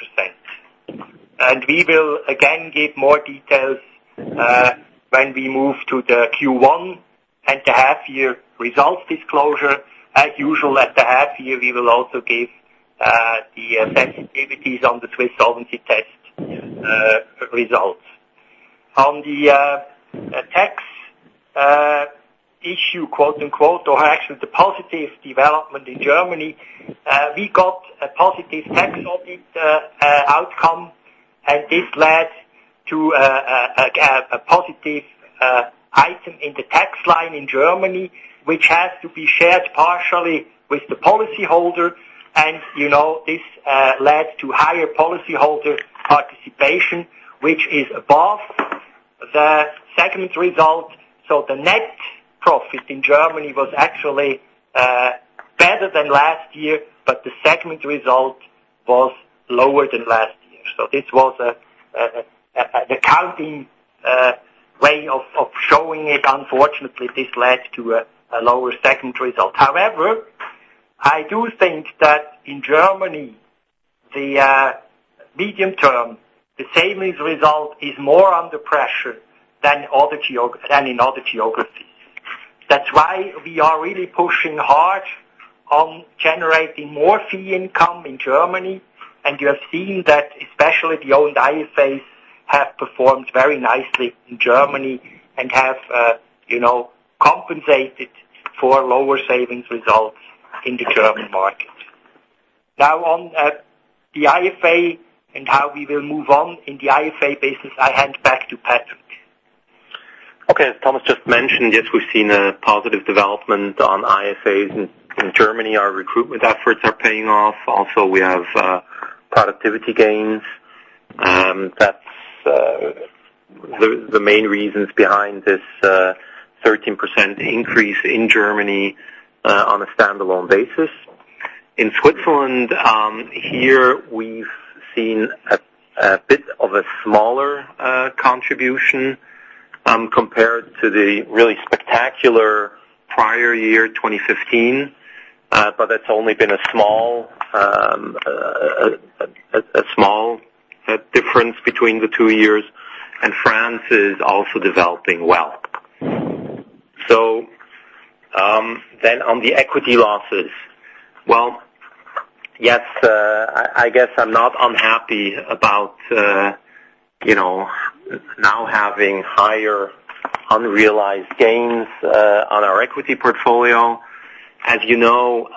We will again give more details when we move to the Q1 and the half year results disclosure. As usual, at the half year, we will also give the sensitivities on the Swiss Solvency Test results. On the tax issue, quote unquote, or actually, the positive development in Germany. We got a positive tax audit outcome, and this led to a positive item in the tax line in Germany, which has to be shared partially with the policyholder, and this led to higher policyholder participation, which is above the segment result. The net profit in Germany was actually better than last year, but the segment result was lower than last year. This was an accounting way of showing it. Unfortunately, this led to a lower segment result. However, I do think that in Germany, the medium term, the savings result is more under pressure than in other geographies. That's why we are really pushing hard on generating more fee income in Germany. You are seeing that especially the owned IFAs have performed very nicely in Germany and have compensated for lower savings results in the German market. Now on the IFA and how we will move on in the IFA business, I hand back to Patrick. Okay. As Thomas just mentioned, yes, we've seen a positive development on IFAs in Germany. Our recruitment efforts are paying off. Also, we have productivity gains. That's the main reasons behind this 13% increase in Germany on a standalone basis. In Switzerland, here we've seen a bit of a smaller contribution compared to the really spectacular prior year, 2015. That's only been a small difference between the two years. France is also developing well. Well, yes, I guess I'm not unhappy about now having higher unrealized gains on our equity portfolio. As you know,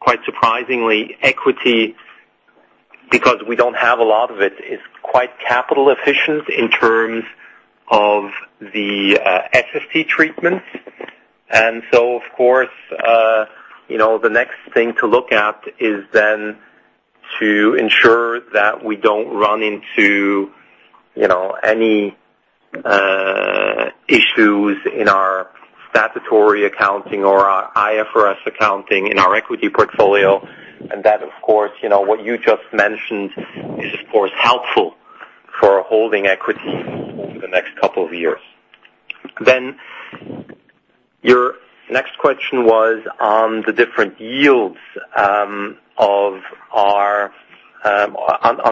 quite surprisingly, equity, because we don't have a lot of it, is quite capital efficient in terms of the SST treatment. Of course, the next thing to look at is then to ensure that we don't run into any issues in our statutory accounting or our IFRS accounting in our equity portfolio. That, of course, what you just mentioned, is of course, helpful for holding equity over the next couple of years. Your next question was on the different yields, on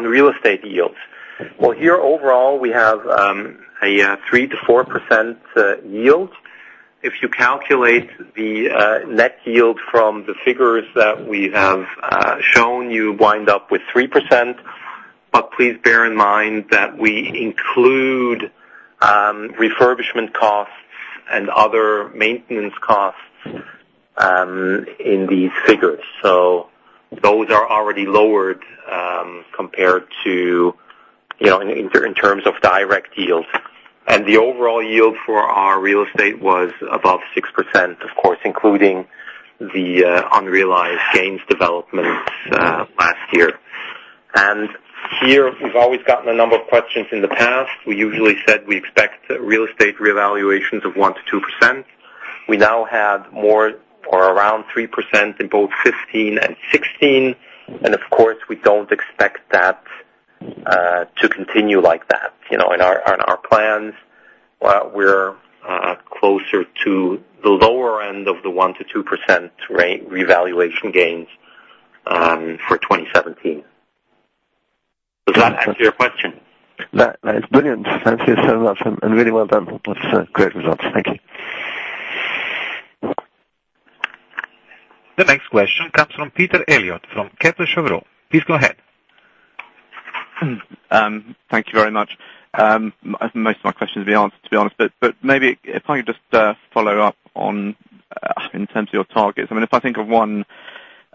real estate yields. Well, here overall, we have a 3%-4% yield. If you calculate the net yield from the figures that we have shown, you wind up with 3%. But please bear in mind that we include refurbishment costs and other maintenance costs in these figures. Those are already lowered compared to in terms of direct yields. The overall yield for our real estate was above 6%, of course, including the unrealized gains developments last year. Here we've always gotten a number of questions in the past. We usually said we expect real estate revaluations of 1%-2%. We now have more or around 3% in both 2015 and 2016. Of course, we don't expect that to continue like that. In our plans, we're closer to the lower end of the 1%-2% revaluation gains for 2017. Does that answer your question? That is brilliant. Thank you so much, and really well done. That's a great result. Thank you. The next question comes from Peter Elliott from Kepler Cheuvreux. Please go ahead. Thank you very much. Most of my questions have been answered, to be honest. Maybe if I could just follow up in terms of your targets. If I think of one,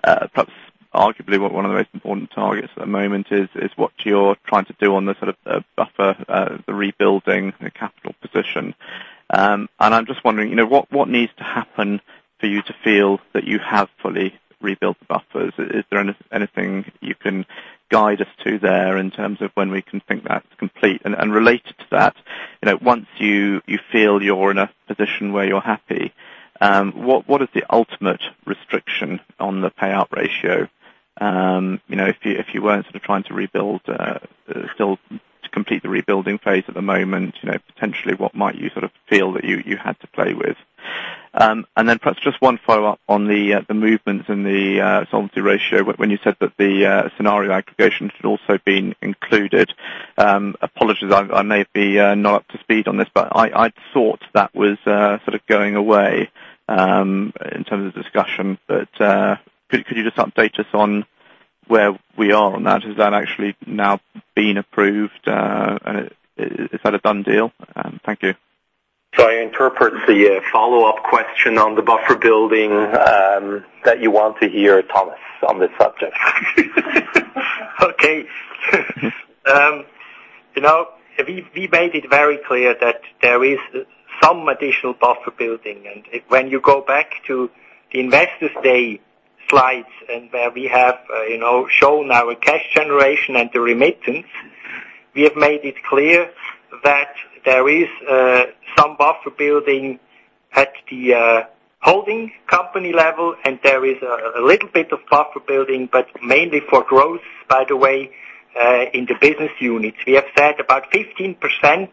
perhaps arguably one of the most important targets at the moment is what you're trying to do on the sort of buffer, the rebuilding the capital position. I'm just wondering, what needs to happen for you to feel that you have fully rebuilt the buffers? Is there anything you can guide us to there in terms of when we can think that's complete? Related to that, once you feel you're in a position where you're happy, what is the ultimate restriction on the payout ratio? If you weren't sort of trying to rebuild, still to complete the rebuilding phase at the moment, potentially, what might you sort of feel that you had to play with? Perhaps just one follow-up on the movements in the solvency ratio. When you said that the scenario aggregation had also been included. Apologies, I may be not up to speed on this, I thought that was sort of going away in terms of discussion. Could you just update us on where we are on that? Has that actually now been approved? Is that a done deal? Thank you. I interpret the follow-up question on the buffer building that you want to hear Thomas on this subject. Okay. We made it very clear that there is some additional buffer building. When you go back to the Investors' Day slides and where we have shown our cash generation and the remittance. We have made it clear that there is some buffer building at the holding company level, and there is a little bit of buffer building, but mainly for growth, by the way, in the business units. We have said about 15%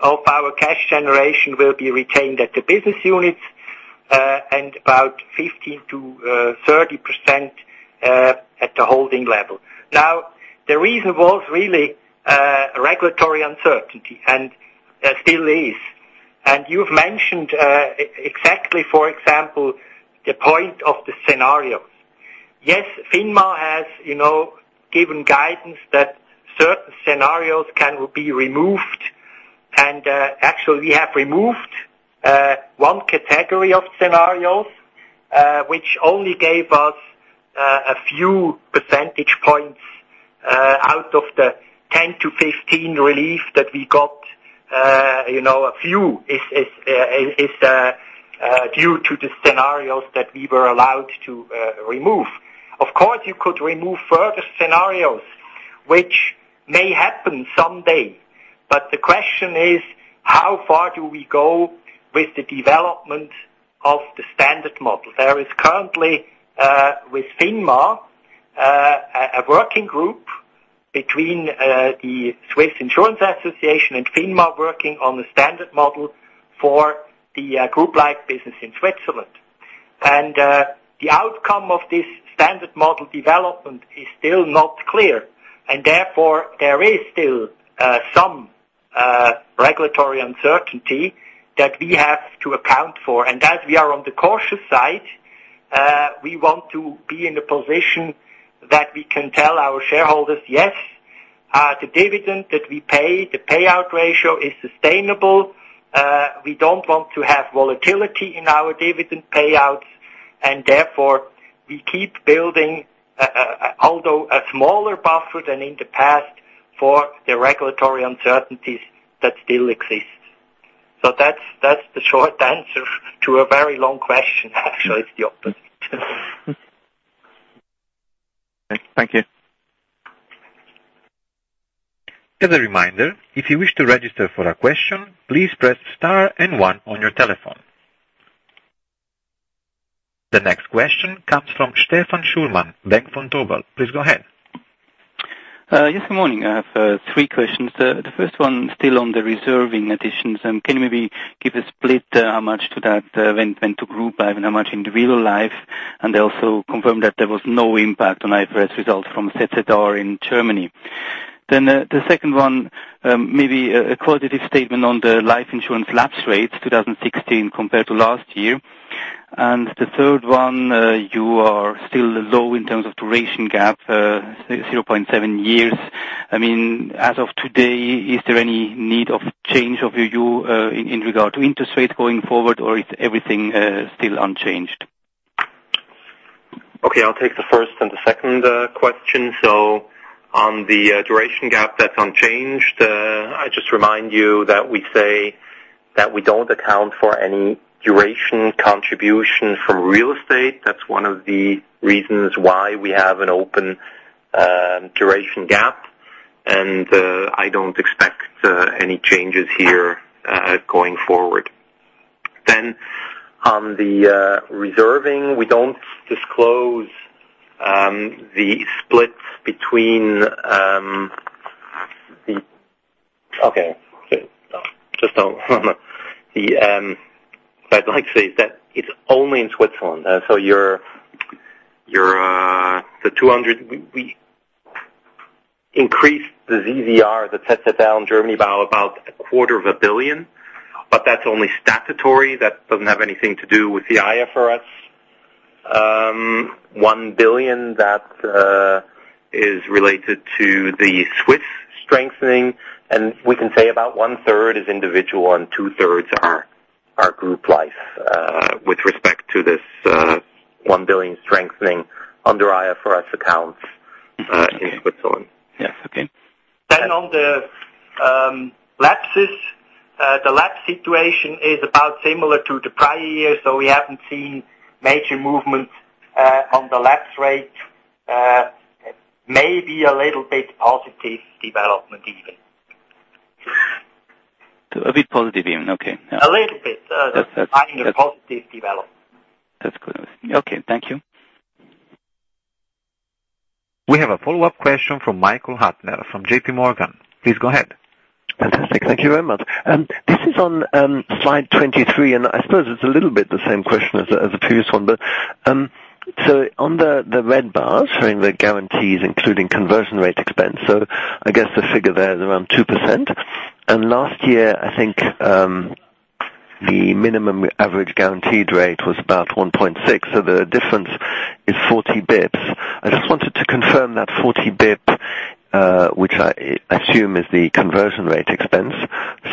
of our cash generation will be retained at the business units, and about 15%-30% at the holding level. The reason was really regulatory uncertainty, and still is. You've mentioned exactly, for example, the point of the scenarios. FINMA has given guidance that certain scenarios can be removed, and actually we have removed 1 category of scenarios, which only gave us a few percentage points out of the 10-15 relief that we got. A few is due to the scenarios that we were allowed to remove. Of course, you could remove further scenarios, which may happen someday. The question is: how far do we go with the development of the standard model? There is currently with FINMA, a working group between the Swiss Insurance Association and FINMA working on the standard model for the group life business in Switzerland. The outcome of this standard model development is still not clear, and therefore there is still some regulatory uncertainty that we have to account for. As we are on the cautious side, we want to be in a position that we can tell our shareholders, "Yes, the dividend that we pay, the payout ratio is sustainable." We don't want to have volatility in our dividend payouts, therefore we keep building, although a smaller buffer than in the past, for the regulatory uncertainties that still exist. That's the short answer to a very long question. Actually, it's the opposite. Thank you. As a reminder, if you wish to register for a question, please press star 1 on your telephone. The next question comes from Stefan Schürmann, Bank Vontobel. Please go ahead. Yes, good morning. I have three questions. The first one still on the reserving additions. Can you maybe give a split how much to that went to group life and how much in the retail life? Also confirm that there was no impact on IFRS results from ZZR in Germany. The second one, maybe a qualitative statement on the life insurance lapse rates 2016 compared to last year. The third one, you are still low in terms of duration gap, 0.7 years. As of today, is there any need of change of view in regard to interest rates going forward, or is everything still unchanged? Okay. I'll take the first and the second question. On the duration gap, that's unchanged. I just remind you that we say that we don't account for any duration contribution from real estate. That's one of the reasons why we have an open duration gap. I don't expect any changes here going forward. On the reserving, we don't disclose the splits between the. Okay. What I'd like to say is that it's only in Switzerland. We increased the ZZR, the 50/40 in Germany by about a quarter of a billion. That's only statutory. That doesn't have anything to do with the IFRS. 1 billion, that is related to the Swiss strengthening. We can say about one-third is individual and two-thirds are group life with respect to this 1 billion strengthening under IFRS accounts in Switzerland. Yes, okay. On the lapses. The lapse situation is about similar to the prior year, we haven't seen major movement on the lapse rate. Maybe a little bit positive development, even. A bit positive even. Okay. A little bit. A positive development. That's good. Okay. Thank you. We have a follow-up question from Michael Huttner from J.P. Morgan. Please go ahead. Fantastic. Thank you very much. This is on slide 23. I suppose it's a little bit the same question as the previous one. On the red bars showing the guarantees, including conversion rate expense. I guess the figure there is around 2%. Last year, I think, the minimum average guaranteed rate was about 1.6, so the difference is 40 bps. I just wanted to confirm that 40 bps, which I assume is the conversion rate expense.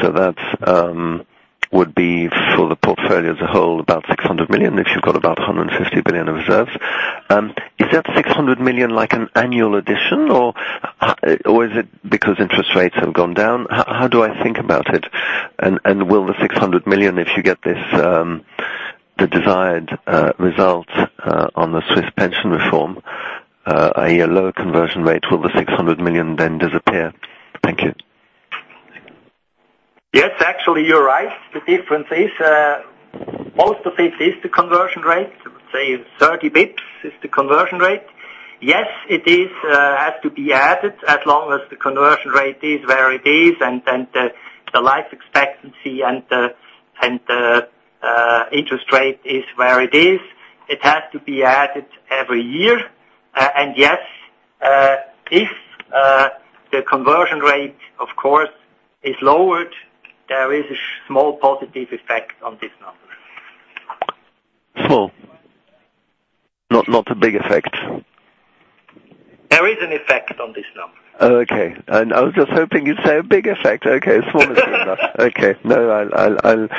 That would be for the portfolio as a whole, about 600 million, if you've got about 150 billion of reserves. Is that 600 million like an annual addition, or is it because interest rates have gone down? How do I think about it? Will the 600 million, if you get the desired results on the Swiss pension reform, a lower conversion rate, will the 600 million then disappear? Thank you. Yes, actually, you're right. The difference is, most of it is the conversion rate. I would say 30 basis points is the conversion rate. Yes, it has to be added as long as the conversion rate is where it is, and the life expectancy and the interest rate is where it is. It has to be added every year. Yes, if the conversion rate, of course, is lowered, there is a small positive effect on this number. Small. Not a big effect. There is an effect on this number. Okay. I was just hoping you'd say a big effect. Okay, small is good enough. Okay. Well,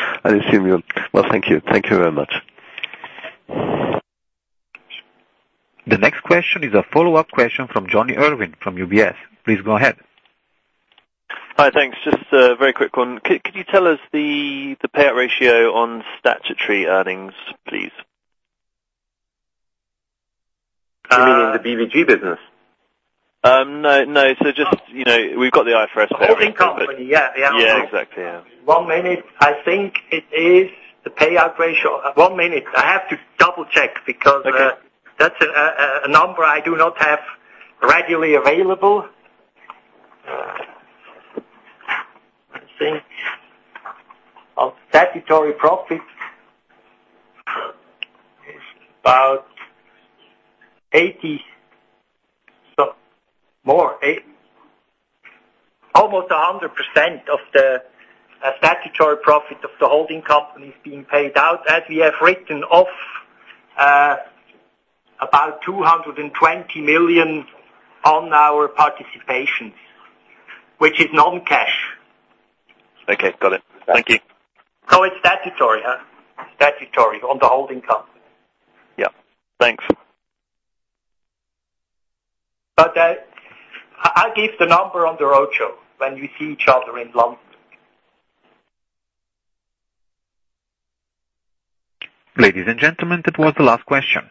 thank you. Thank you very much. The next question is a follow-up question from Jonny Urwin from UBS. Please go ahead. Hi. Thanks. Just a very quick one. Could you tell us the payout ratio on statutory earnings, please? You mean in the BVG business? No. Just, we've got the IFRS there. The holding company. Yeah. Yeah, exactly. Yeah. One minute. I think it is the payout ratio. One minute. I have to double-check because. Okay that's a number I do not have readily available. I think our statutory profit is about 80%, almost 100% of the statutory profit of the holding company is being paid out, as we have written off about 220 million on our participation, which is non-cash. Okay, got it. Thank you. It's statutory. Statutory on the holding company. Yeah. Thanks. I'll give the number on the roadshow when we see each other in London. Ladies and gentlemen, that was the last question.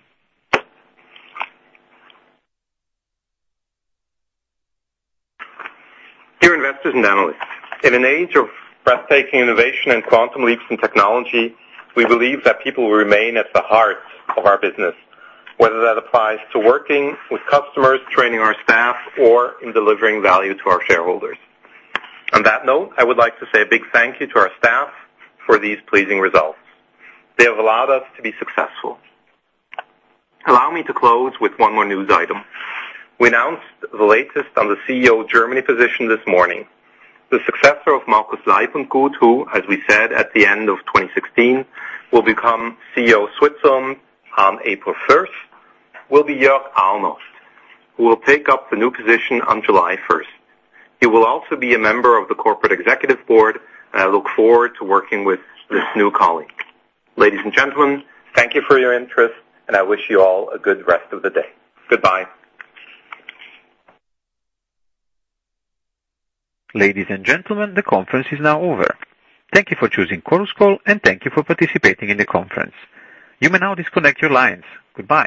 Dear investors and analysts, in an age of breathtaking innovation and quantum leaps in technology, we believe that people remain at the heart of our business, whether that applies to working with customers, training our staff, or in delivering value to our shareholders. On that note, I would like to say a big thank you to our staff for these pleasing results. They have allowed us to be successful. Allow me to close with one more news item. We announced the latest on the CEO Germany position this morning. The successor of Markus Leibundgut, who, as we said at the end of 2016, will become CEO Switzerland on April 1st, will be Jörg Arnold, who will take up the new position on July 1st. He will also be a member of the Corporate Executive Board. I look forward to working with this new colleague. Ladies and gentlemen, thank you for your interest. I wish you all a good rest of the day. Goodbye. Ladies and gentlemen, the conference is now over. Thank you for choosing Chorus Call, and thank you for participating in the conference. You may now disconnect your lines. Goodbye